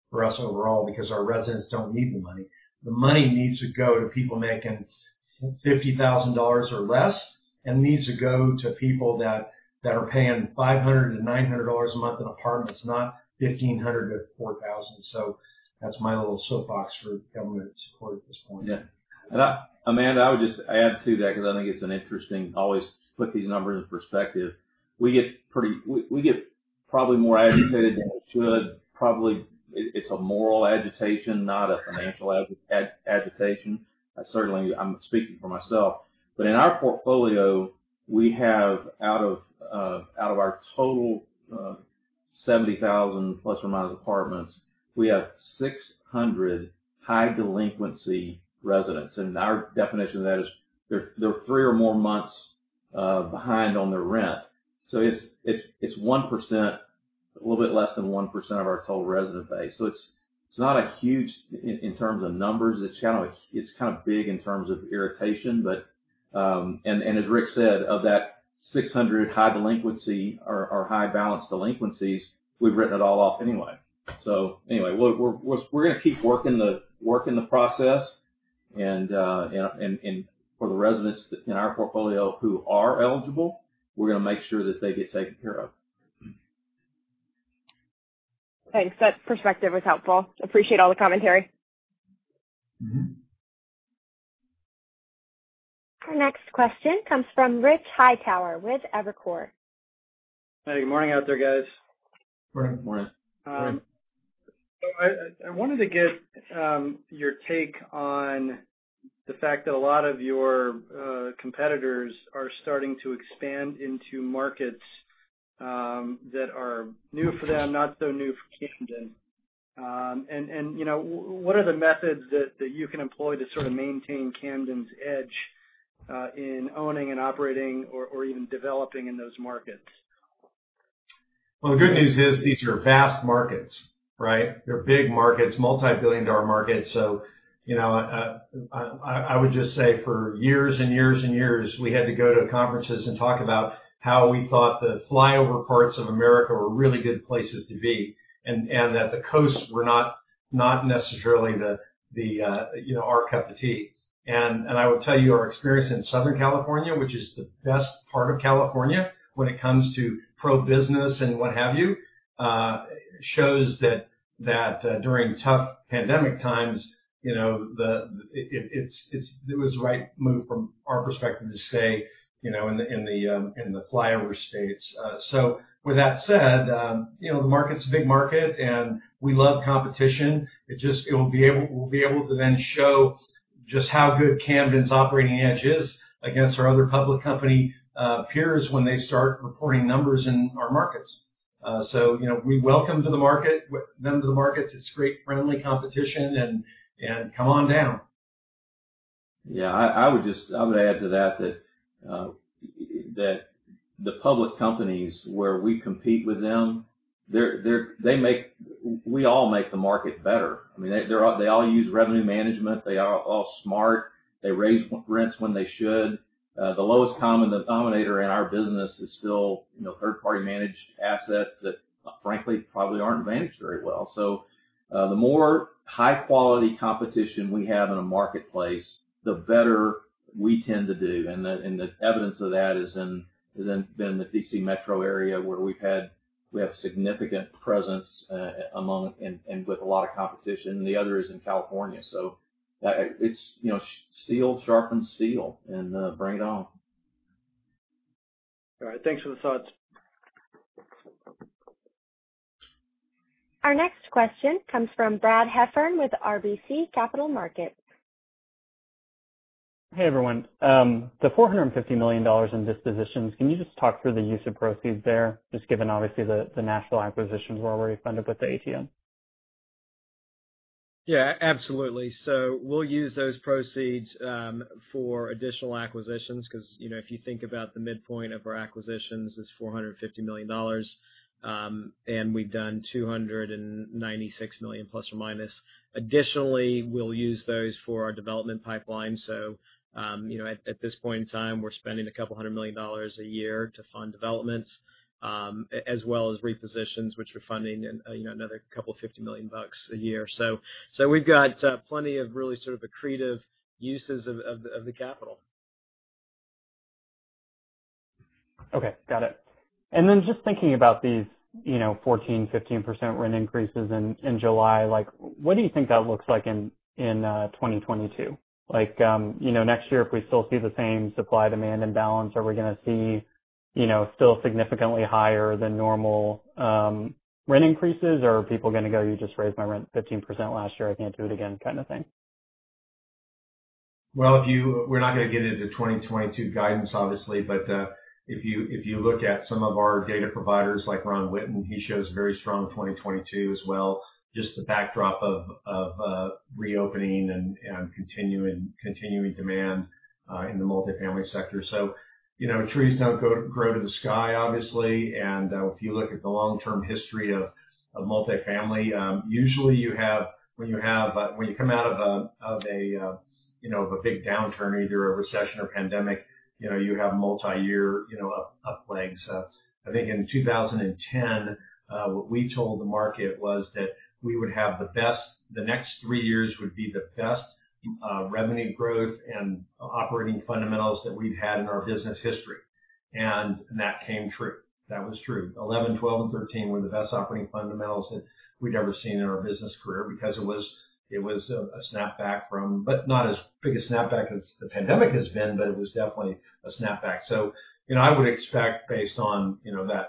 for us overall because our residents don't need the money. The money needs to go to people making $50,000 or less, and it needs to go to people that are paying $500 to $900 a month in apartments, not $1,500 to $4,000. That's my little soapbox for government support at this point. Yeah. Amanda, I would just add to that because I think it's interesting, always put these numbers in perspective. We get probably more agitated than we should. Probably it's a moral agitation, not a financial agitation. I certainly am speaking for myself. In our portfolio, we have out of our total 70,000± apartments, we have 600 high delinquency residents. Our definition of that is they're three or more months behind on their rent. It's 1%, a little bit less than 1% of our total resident base. It's not huge in terms of numbers. It's kind of big in terms of irritation. As Ric said, of that 600 high delinquency or high balance delinquencies, we've written it all off anyway. Anyway, we're going to keep working the process and for the residents in our portfolio who are eligible, we're going to make sure that they get taken care of. Thanks. That perspective was helpful. Appreciate all the commentary. Our next question comes from Richard Hightower with Evercore. Hey, good morning out there, guys. Morning. Morning. I wanted to get your take on the fact that a lot of your competitors are starting to expand into markets that are new for them, not so new for Camden. What are the methods that you can employ to sort of maintain Camden's edge in owning and operating or even developing in those markets? Well, the good news is these are vast markets, right? They're big markets, multi-billion dollar markets. I would just say for years and years and years, we had to go to conferences and talk about how we thought the flyover parts of America were really good places to be, and that the coasts were not necessarily our cup of tea. I would tell you, our experience in Southern California, which is the best part of California when it comes to pro-business and what have you, shows that during tough pandemic times, it was the right move from our perspective to stay in the flyover states. With that said, the market's a big market, and we love competition. We'll be able to then show just how good Camden's operating edge is against our other public company peers when they start reporting numbers in our markets. We welcome them to the markets. It's great, friendly competition, and come on down. Yeah. I would add to that the public companies where we compete with them, we all make the market better. They all use revenue management. They are all smart. They raise rents when they should. The lowest common denominator in our business is still third-party managed assets that frankly, probably aren't managed very well. The more high-quality competition we have in a marketplace, the better we tend to do, and the evidence of that has been the D.C. metro area, where we have significant presence among and with a lot of competition, and the other is in California. Steel sharpens steel, bring it on. All right. Thanks for the thoughts. Our next question comes from Brad Heffern with RBC Capital Markets. Hey, everyone. The $450 million in dispositions, can you just talk through the use of proceeds there, just given obviously the national acquisitions were already funded with the ATM? Yeah, absolutely. We'll use those proceeds for additional acquisitions because if you think about the midpoint of our acquisitions is $450 million, and we've done $296± million. Additionally, we'll use those for our development pipeline. At this point in time, we're spending a couple hundred million dollars a year to fund developments, as well as repositions, which we're funding another couple of $50 million a year. We've got plenty of really sort of accretive uses of the capital. Okay. Got it. Just thinking about these 14%, 15% rent increases in July, what do you think that looks like in 2022? Next year, if we still see the same supply-demand imbalance, are we going to see still significantly higher than normal rent increases, or are people going to go, "You just raised my rent 15% last year, I can't do it again," kind of thing? Well, we're not going to get into 2022 guidance, obviously. If you look at some of our data providers like Ron Witten, he shows very strong 2022 as well, just the backdrop of reopening and continuing demand in the multifamily sector. Trees don't grow to the sky, obviously, and if you look at the long-term history of multifamily, usually when you come out of a big downturn, either a recession or pandemic, you have multi-year uplifts. I think in 2010, what we told the market was that the next three years would be the best revenue growth and operating fundamentals that we've had in our business history, and that came true. That was true. 2011, 2012, and 2013 were the best operating fundamentals that we'd ever seen in our business career because it was a snapback from. Not as big a snapback as the pandemic has been, but it was definitely a snapback. I would expect based on that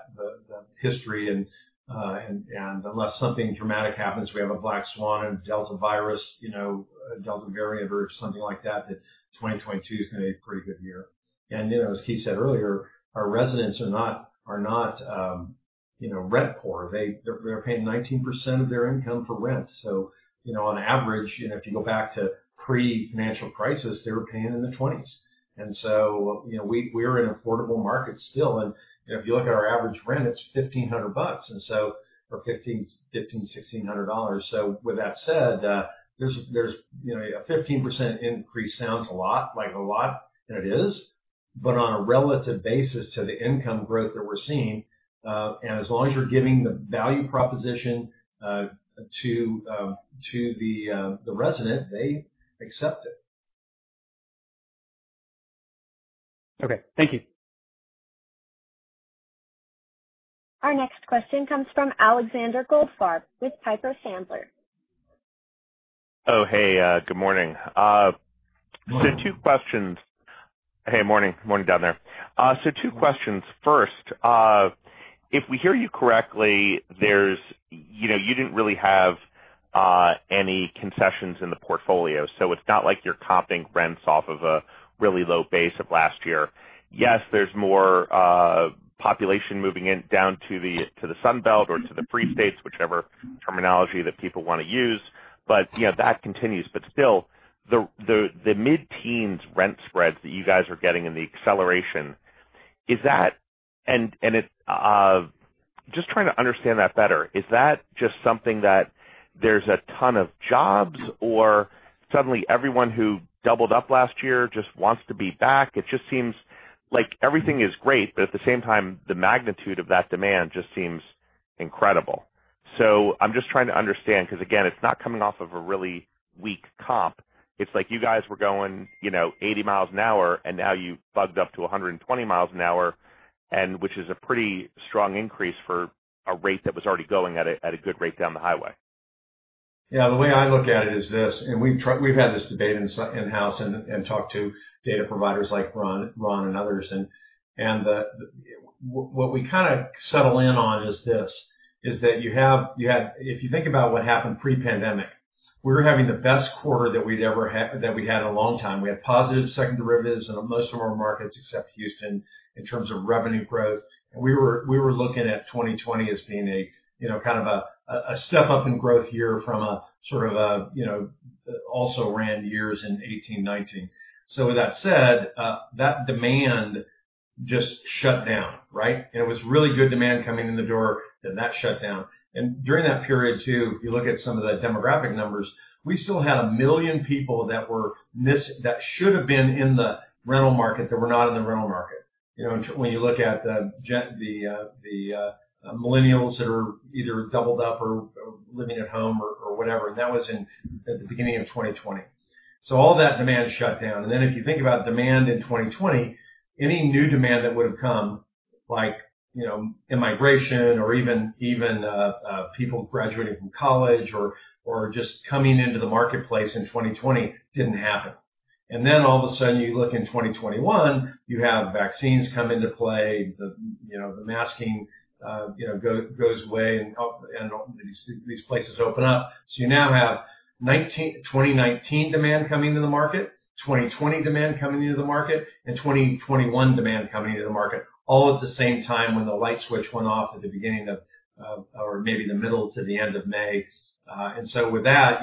history, and unless something dramatic happens, we have a black swan, a Delta virus, Delta variant, or something like that 2022 is going to be a pretty good year. As Keith said earlier, our residents are not rent poor. They're paying 19% of their income for rent. On average, if you go back to pre-financial crisis, they were paying in the 2020s. We're in affordable markets still, if you look at our average rent, it's $1,500, for $1,500, $1,600. With that said, a 15% increase sounds like a lot, and it is. On a relative basis to the income growth that we're seeing, and as long as you're giving the value proposition to the resident, they accept it. Okay. Thank you. Our next question comes from Alexander Goldfarb with Piper Sandler. Oh, hey. Good morning. Morning. Two questions. Hey, morning. Morning down there. Two questions. First, if we hear you correctly, you didn't really have any concessions in the portfolio, so it's not like you're comping rents off of a really low base of last year. Yes, there's more population moving in down to the Sun Belt or to the Free States, whichever terminology that people want to use. That continues, but still, the mid-teens rent spreads that you guys are getting and the acceleration, just trying to understand that better. Is that just something that there's a ton of jobs, or suddenly everyone who doubled up last year just wants to be back? It just seems like everything is great, but at the same time, the magnitude of that demand just seems incredible. I'm just trying to understand because, again, it's not coming off of a really weak comp. It's like you guys were going 80 mi an hour, and now you've bugged up to 120 mi an hour, which is a pretty strong increase for a rate that was already going at a good rate down the highway. Yeah. The way I look at it is this. We've had this debate in-house and talked to data providers like Ron Witten and others. What we kind of settle in on is this, is that if you think about what happened pre-pandemic, we were having the best quarter that we'd had in a long time. We had positive second derivatives in most of our markets except Houston in terms of revenue growth. We were looking at 2020 as being kind of a step-up in growth year from a sort of also ran years in 2018, 2019. With that said, that demand Just shut down, right? It was really good demand coming in the door, then that shut down. During that period, too, if you look at some of the demographic numbers, we still had a million people that should've been in the rental market that were not in the rental market. When you look at the millennials that are either doubled up or living at home or whatever, and that was at the beginning of 2020. All that demand shut down. If you think about demand in 2020, any new demand that would've come, like in migration or even people graduating from college or just coming into the marketplace in 2020 didn't happen. All of a sudden you look in 2021, you have vaccines come into play, the masking goes away, and these places open up. You now have 2019 demand coming to the market, 2020 demand coming into the market, and 2021 demand coming into the market, all at the same time when the light switch went off at the beginning of, or maybe the middle to the end of May. With that,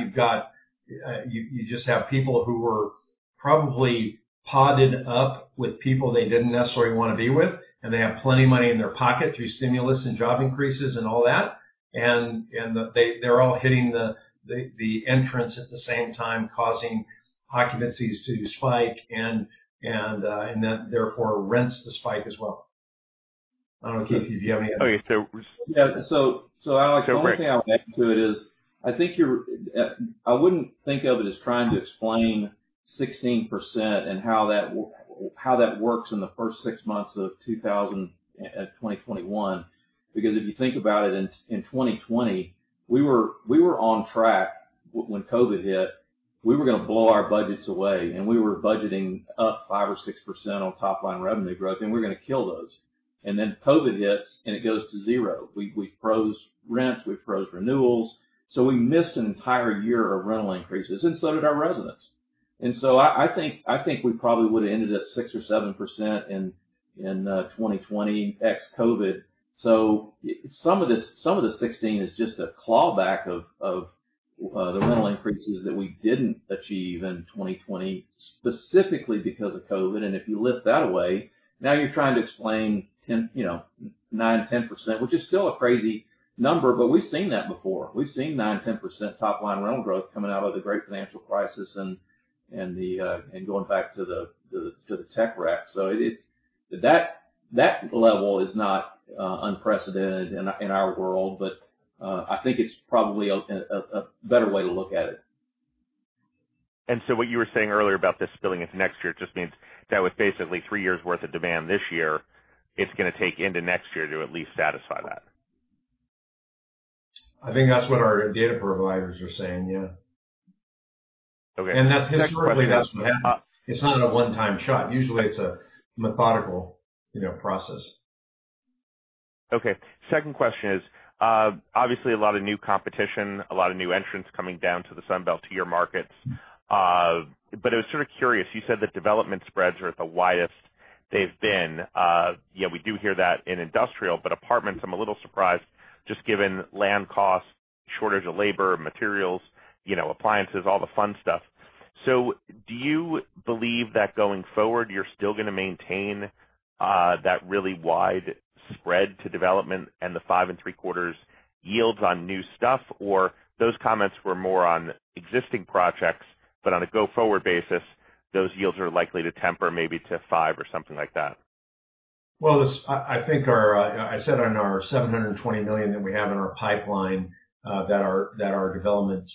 you just have people who were probably podded up with people they didn't necessarily want to be with, and they have plenty of money in their pocket through stimulus and job increases and all that. They're all hitting the entrance at the same time, causing occupancies to spike and then therefore rents to spike as well. I don't know, Keith, if you have anything. Okay. Yeah. Alex- Go for it. One thing I'll add to it is, I wouldn't think of it as trying to explain 16% and how that works in the first six months of 2021. If you think about it, in 2020, we were on track when COVID hit. We were going to blow our budgets away, and we were budgeting up 5% or 6% on top-line revenue growth, and we were going to kill those. COVID hits, and it goes to 0. We froze rents, we froze renewals. We missed an entire year of rental increases, and so did our residents. I think we probably would've ended at 6% or 7% in 2020, ex-COVID. Some of the 16% is just a claw back of the rental increases that we didn't achieve in 2020, specifically because of COVID. If you lift that away, now you're trying to explain 9%, 10%, which is still a crazy number, but we've seen that before. We've seen 9%, 10% top-line rental growth coming out of the great financial crisis and going back to the tech wreck. That level is not unprecedented in our world. I think it's probably a better way to look at it. What you were saying earlier about this spilling into next year just means that was basically three years worth of demand this year, it's going to take into next year to at least satisfy that. I think that's what our data providers are saying, yeah. Okay. Next question. That's historically, that's what happens. It's not a one-time shot. Usually it's a methodical process. Okay. Second question is, obviously a lot of new competition, a lot of new entrants coming down to the Sun Belt to your markets. I was sort of curious, you said that development spreads are at the widest they've been. Yet we do hear that in industrial, but apartments, I'm a little surprised just given land costs, shortage of labor, materials, appliances, all the fun stuff. Do you believe that going forward, you're still going to maintain that really wide spread to development and the 5.75% yields on new stuff, or those comments were more on existing projects, but on a go-forward basis, those yields are likely to temper maybe to 5% or something like that? Well, I said on our $720 million that we have in our pipeline, that our development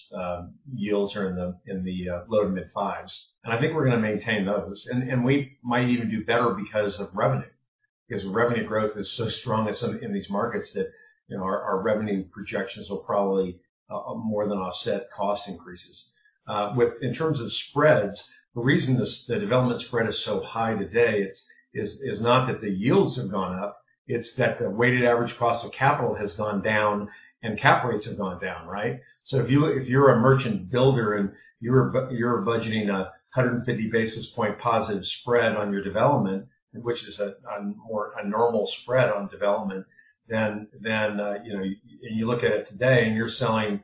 yields are in the low to mid 5s. I think we're going to maintain those. We might even do better because of revenue. Revenue growth is so strong in these markets that our revenue projections will probably more than offset cost increases. In terms of spreads, the reason the development spread is so high today is not that the yields have gone up, it's that the weighted average cost of capital has gone down and cap rates have gone down, right? If you're a merchant builder and you're budgeting 150 basis point positive spread on your development, which is a normal spread on development, you look at it today and you're selling,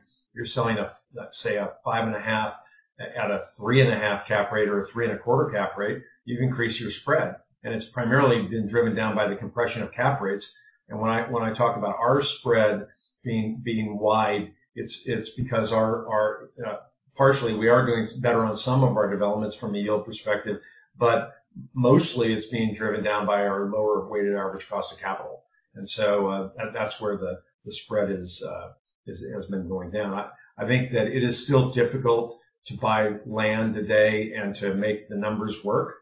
let's say, a 5.5 at a 3.5 cap rate or a 3.25 cap rate, you've increased your spread. It's primarily been driven down by the compression of cap rates. When I talk about our spread being wide, it's because partially we are doing better on some of our developments from a yield perspective, but mostly it's being driven down by our lower weighted average cost of capital. That's where the spread has been going down. I think that it is still difficult to buy land today and to make the numbers work.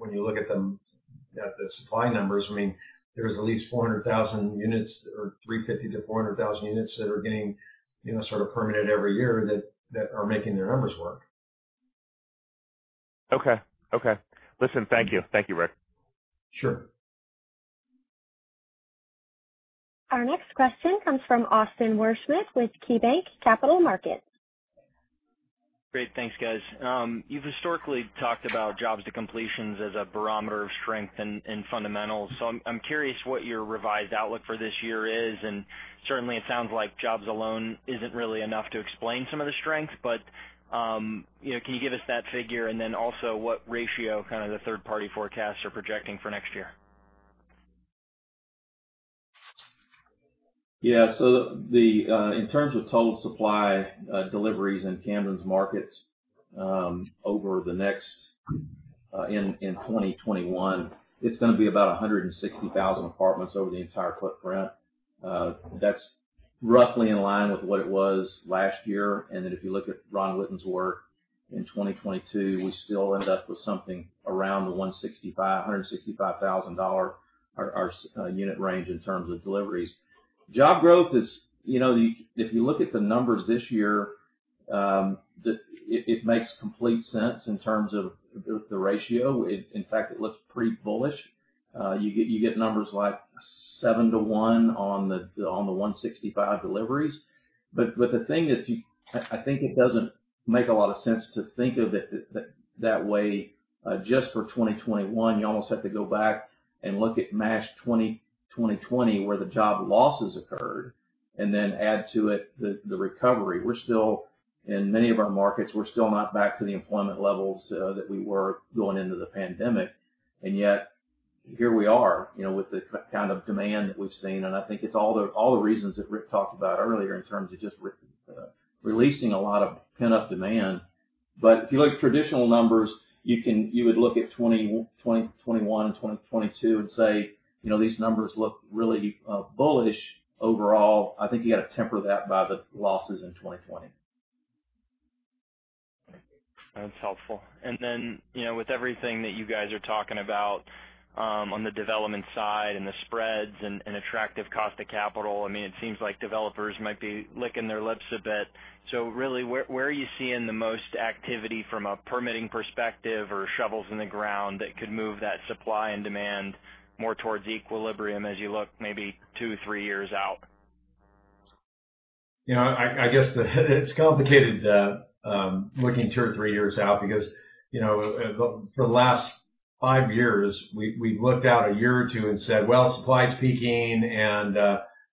When you look at the supply numbers, there's at least 400,000 units or 350,000-400,000 units that are getting sort of permitted every year that are making their numbers work. Okay. Listen, thank you. Thank you, Ric. Sure. Our next question comes from Austin Wurschmidt with KeyBanc Capital Markets. Great. Thanks, guys. You've historically talked about jobs to completions as a barometer of strength and fundamentals. I'm curious what your revised outlook for this year is, and certainly it sounds like jobs alone isn't really enough to explain some of the strength. Can you give us that figure, and then also what ratio the third party forecasts are projecting for next year? Yeah. In terms of total supply deliveries in Camden's markets in 2021, it's going to be about 160,000 apartments over the entire footprint. That's roughly in line with what it was last year. If you look at Ron Witten's work, in 2022, we still end up with something around the 165,000, our unit range in terms of deliveries. Job growth is, if you look at the numbers this year, it makes complete sense in terms of the ratio. In fact, it looks pretty bullish. You get numbers like seven to one on the 165 deliveries. The thing that I think it doesn't make a lot of sense to think of it that way just for 2021. You almost have to go back and look at past 2020, where the job losses occurred, and then add to it the recovery. In many of our markets, we're still not back to the employment levels that we were going into the pandemic, and yet here we are, with the kind of demand that we've seen. I think it's all the reasons that Ric talked about earlier in terms of just releasing a lot of pent-up demand. If you look at traditional numbers, you would look at 2021 and 2022 and say, "These numbers look really bullish overall." I think you've got to temper that by the losses in 2020. That's helpful. With everything that you guys are talking about on the development side and the spreads and attractive cost of capital, it seems like developers might be licking their lips a bit. Really, where are you seeing the most activity from a permitting perspective, or shovels in the ground that could move that supply and demand more towards equilibrium as you look maybe two, three years out? I guess it's complicated looking two or three years out because, for the last five years, we've looked out a year or two and said, "Well, supply's peaking," and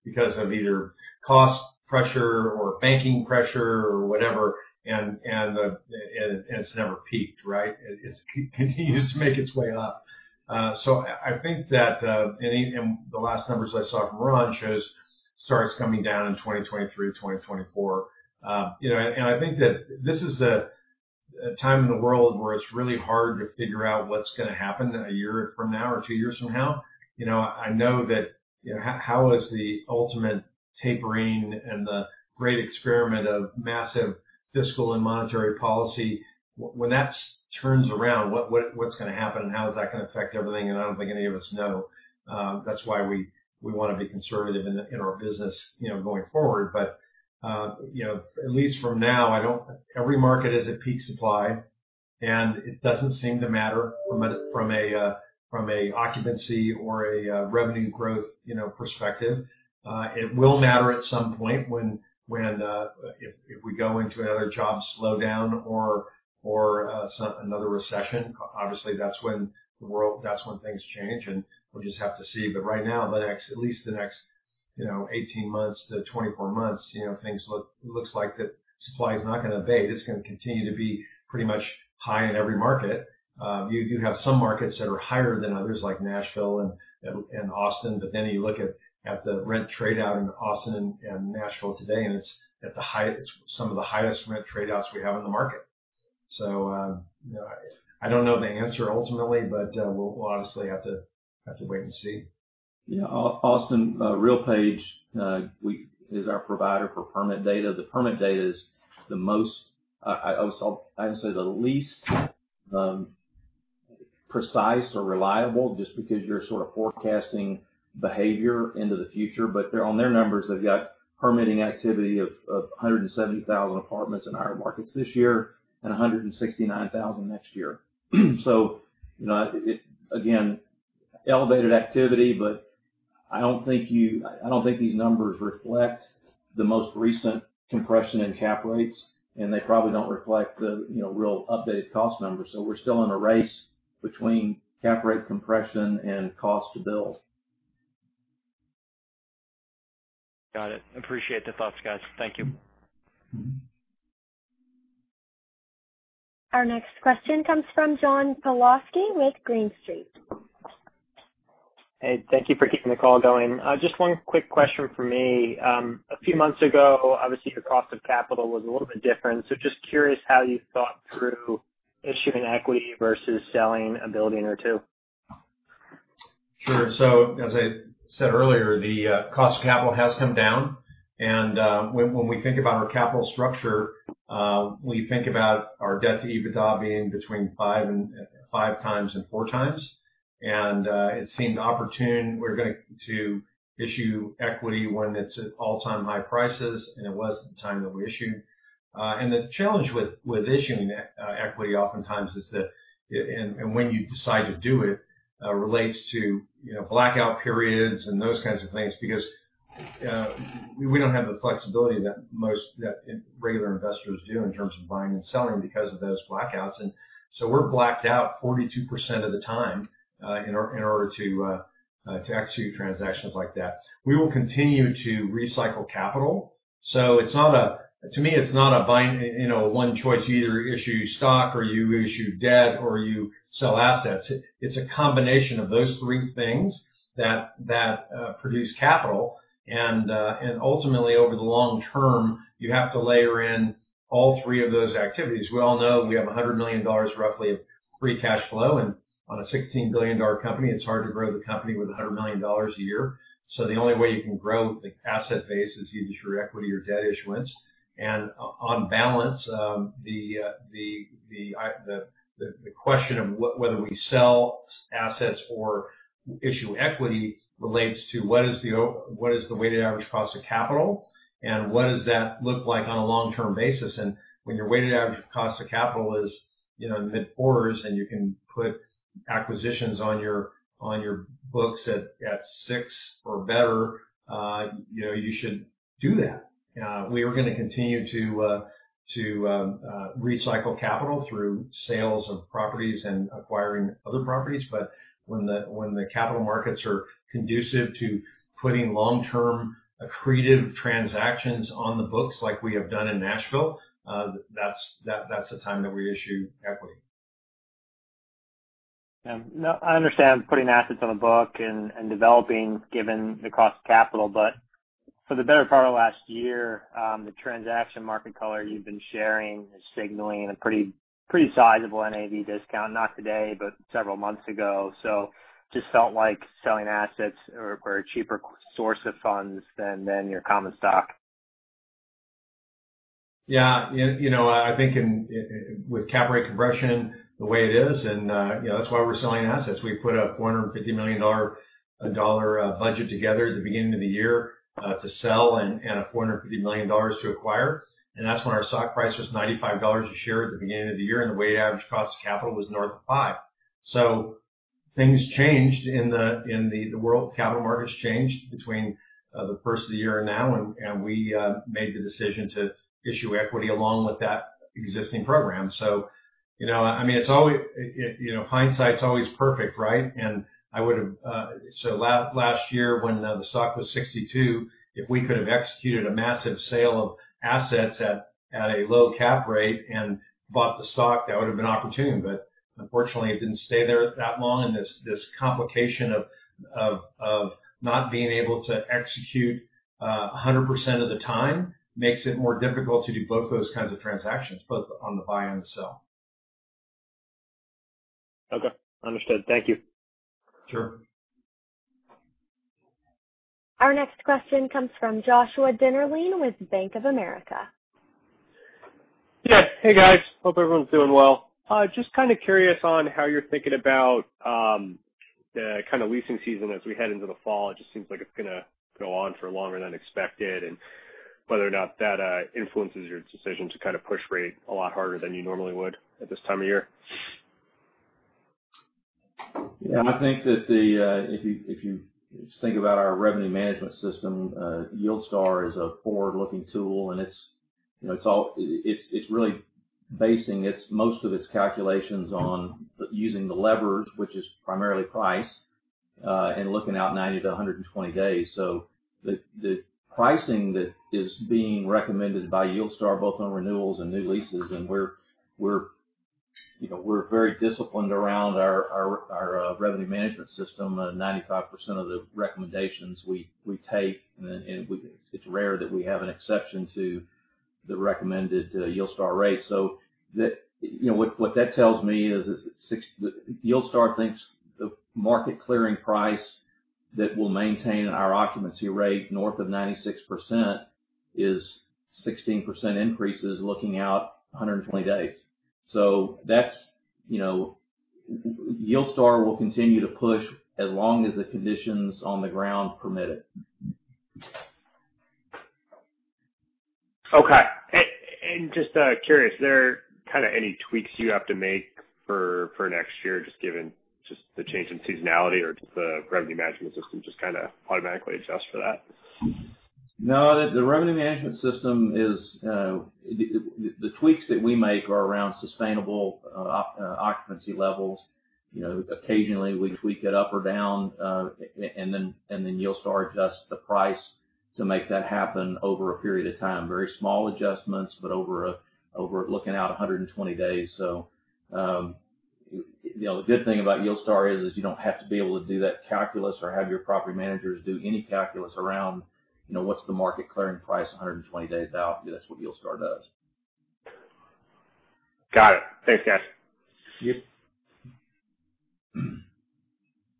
because of either cost pressure or banking pressure or whatever, and it's never peaked, right? It continues to make its way up. I think that, and the last numbers I saw from Ron shows starts coming down in 2023, 2024. I think that this is a time in the world where it's really hard to figure out what's going to happen in a year from now or two years from now. I know that how has the ultimate tapering and the great experiment of massive fiscal and monetary policy, when that turns around, what's going to happen and how is that going to affect everything? I don't think any of us know. That's why we want to be conservative in our business going forward. At least from now, every market is at peak supply, and it doesn't seem to matter from a occupancy or a revenue growth perspective. It will matter at some point if we go into another job slowdown or another recession. Obviously, that's when things change, and we'll just have to see. Right now, at least the next 18 months to 24 months, looks like that supply is not going to abate. It's going to continue to be pretty much high in every market. You do have some markets that are higher than others, like Nashville and Austin. Then you look at the rent trade-out in Austin and Nashville today, and it's some of the highest rent trade-outs we have in the market. I don't know the answer ultimately, but we'll obviously have to wait and see. Yeah. Austin, RealPage, is our provider for permit data. The permit data is the least precise or reliable just because you're sort of forecasting behavior into the future. On their numbers, they've got permitting activity of 170,000 apartments in our markets this year and 169,000 next year. Again, elevated activity, but I don't think these numbers reflect the most recent compression in cap rates, and they probably don't reflect the real updated cost numbers. We're still in a race between cap rate compression and cost to build. Got it. Appreciate the thoughts, guys. Thank you. Our next question comes from John Pawlowski with Green Street. Hey, thank you for keeping the call going. Just one quick question from me. A few months ago, obviously, your cost of capital was a little bit different. Just curious how you thought through issuing equity versus selling a building or two? Sure. As I said earlier, the cost of capital has come down. When we think about our capital structure, we think about our debt to EBITDA being between 5x and 4x. It seemed opportune, we're going to issue equity when it's at all-time high prices, and it was at the time that we issued. The challenge with issuing equity oftentimes is that when you decide to do it, relates to blackout periods and those kinds of things, because we don't have the flexibility that regular investors do in terms of buying and selling because of those blackouts. We're blacked out 42% of the time in order to execute transactions like that. We will continue to recycle capital. To me, it's not a one choice, you either issue stock or you issue debt, or you sell assets. It's a combination of those three things that produce capital, and ultimately, over the long term, you have to layer in all three of those activities. We all know we have $100 million roughly of free cash flow. On a $16 billion company, it's hard to grow the company with $100 million a year. The only way you can grow the asset base is either through equity or debt issuance. On balance, the question of whether we sell assets or issue equity relates to what is the weighted average cost of capital, and what does that look like on a long-term basis? When your weighted average cost of capital is in the mid fours and you can put acquisitions on your books at six or better, you should do that. We are going to continue to recycle capital through sales of properties and acquiring other properties. When the capital markets are conducive to putting long-term accretive transactions on the books like we have done in Nashville, that's the time that we issue equity. No, I understand putting assets on the book and developing, given the cost of capital. For the better part of last year, the transaction market color you've been sharing is signaling a pretty sizable NAV discount, not today, but several months ago. Just felt like selling assets were a cheaper source of funds than your common stock. Yeah. I think with cap rate compression the way it is, and that's why we're selling assets. We put a $450 million budget together at the beginning of the year to sell and $450 million to acquire. That's when our stock price was $95 a share at the beginning of the year, and the weighted average cost of capital was north of five. Things changed in the world. Capital markets changed between the first of the year and now, and we made the decision to issue equity along with that existing program. Hindsight's always perfect, right? Last year when the stock was $62, if we could have executed a massive sale of assets at a low cap rate and bought the stock, that would've been opportune. Unfortunately, it didn't stay there that long, and this complication of not being able to execute 100% of the time makes it more difficult to do both of those kinds of transactions, both on the buy and the sell. Okay, understood. Thank you. Sure. Our next question comes from Joshua Dennerlein with Bank of America. Yeah. Hey, guys. Hope everyone's doing well. Just kind of curious on how you're thinking about the kind of leasing season as we head into the fall. It just seems like it's going to go on for longer than expected, and whether or not that influences your decision to kind of push rate a lot harder than you normally would at this time of year. Yeah, if you think about our revenue management system, YieldStar is a forward-looking tool, and it's really basing most of its calculations on using the levers, which is primarily price, and looking out 90-120 days. The pricing that is being recommended by YieldStar, both on renewals and new leases, and we're very disciplined around our revenue management system. 95% of the recommendations we take, and it's rare that we have an exception to the recommended YieldStar rate. What that tells me is, YieldStar thinks the market clearing price that will maintain our occupancy rate north of 96% is 16% increases looking out 120 days. YieldStar will continue to push as long as the conditions on the ground permit it. Okay. Just curious, there kind of any tweaks you have to make for next year, just given just the change in seasonality, or does the revenue management system just kind of automatically adjust for that? The revenue management system. The tweaks that we make are around sustainable occupancy levels. Occasionally, we tweak it up or down. YieldStar adjusts the price to make that happen over a period of time. Very small adjustments, over looking out 120 days. The good thing about YieldStar is you don't have to be able to do that calculus or have your property managers do any calculus around what's the market clearing price 120 days out, because that's what YieldStar does. Got it. Thanks, guys. Yep.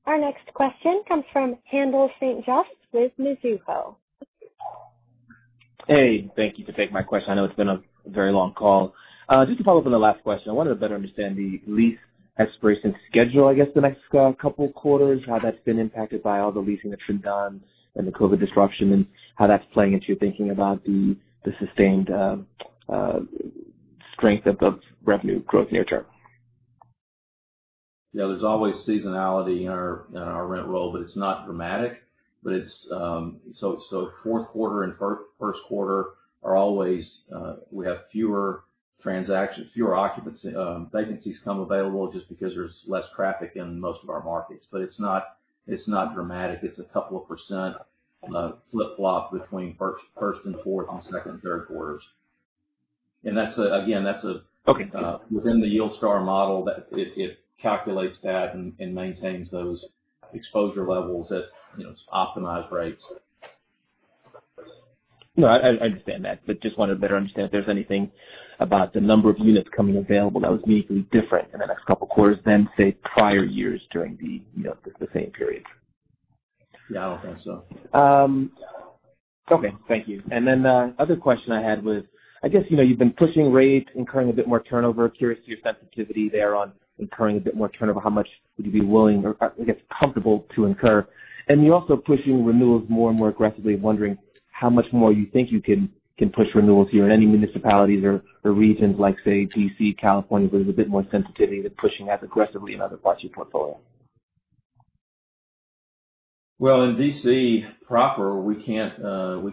Our next question comes from Haendel St. Juste with Mizuho. Hey, thank you for taking my question. I know it's been a very long call. Just to follow up on the last question, I wanted to better understand the lease expiration schedule, I guess, the next couple of quarters, how that's been impacted by all the leasing that's been done and the COVID disruption, how that's playing into your thinking about the sustained strength of revenue growth near-term. Yeah, there's always seasonality in our rent roll, but it's not dramatic. fourth quarter and first quarter are always, we have fewer transactions, fewer vacancies come available just because there's less traffic in most of our markets. It's not dramatic. It's a couple of percent flip-flop between first and fourth and second and third quarters. Okay within the YieldStar model that it calculates that and maintains those exposure levels at its optimized rates. No, I understand that. Just wanted to better understand if there's anything about the number of units coming available that was meaningfully different in the next couple of quarters than, say, prior years during the same period. Yeah, I don't think so. Okay, thank you. The other question I had was, I guess, you've been pushing rates, incurring a bit more turnover. Curious to your sensitivity there on incurring a bit more turnover. How much would you be willing or, I guess, comfortable to incur? You're also pushing renewals more and more aggressively. I'm wondering how much more you think you can push renewals here in any municipalities or regions like, say, D.C., California, where there's a bit more sensitivity than pushing as aggressively in other parts of your portfolio. Well, in D.C. proper, we can't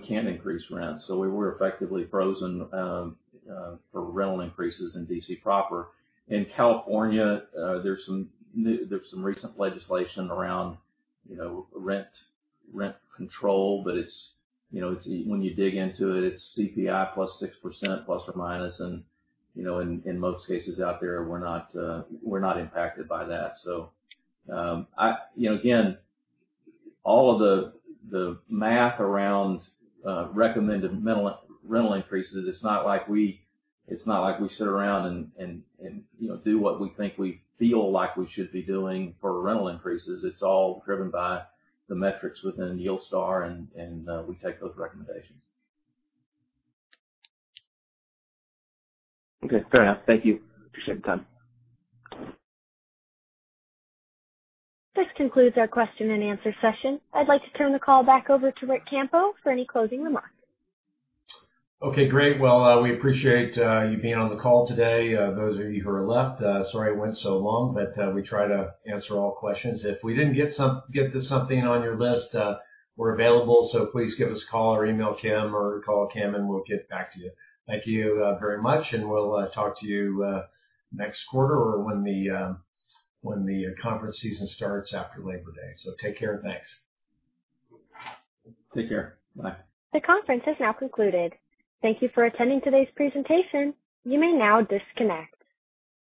increase rents. We're effectively frozen for rental increases in D.C. proper. In California, there's some recent legislation around rent control, but when you dig into it's CPI +6%±. In most cases out there, we're not impacted by that. Again, all of the math around recommended rental increases, it's not like we sit around and do what we think we feel like we should be doing for rental increases. It's all driven by the metrics within YieldStar, we take those recommendations. Okay, fair enough. Thank you. Appreciate the time. This concludes our question and answer session. I'd like to turn the call back over to Ric Campo for any closing remarks. Okay, great. Well, we appreciate you being on the call today. Those of you who are left, sorry it went so long, but we try to answer all questions. If we didn't get to something on your list, we're available, so please give us a call or email Kim or call Kim, and we'll get back to you. Thank you very much, and we'll talk to you next quarter or when the conference season starts after Labor Day. Take care, and thanks. Take care. Bye. The conference has now concluded. Thank you for attending today's presentation. You may now disconnect.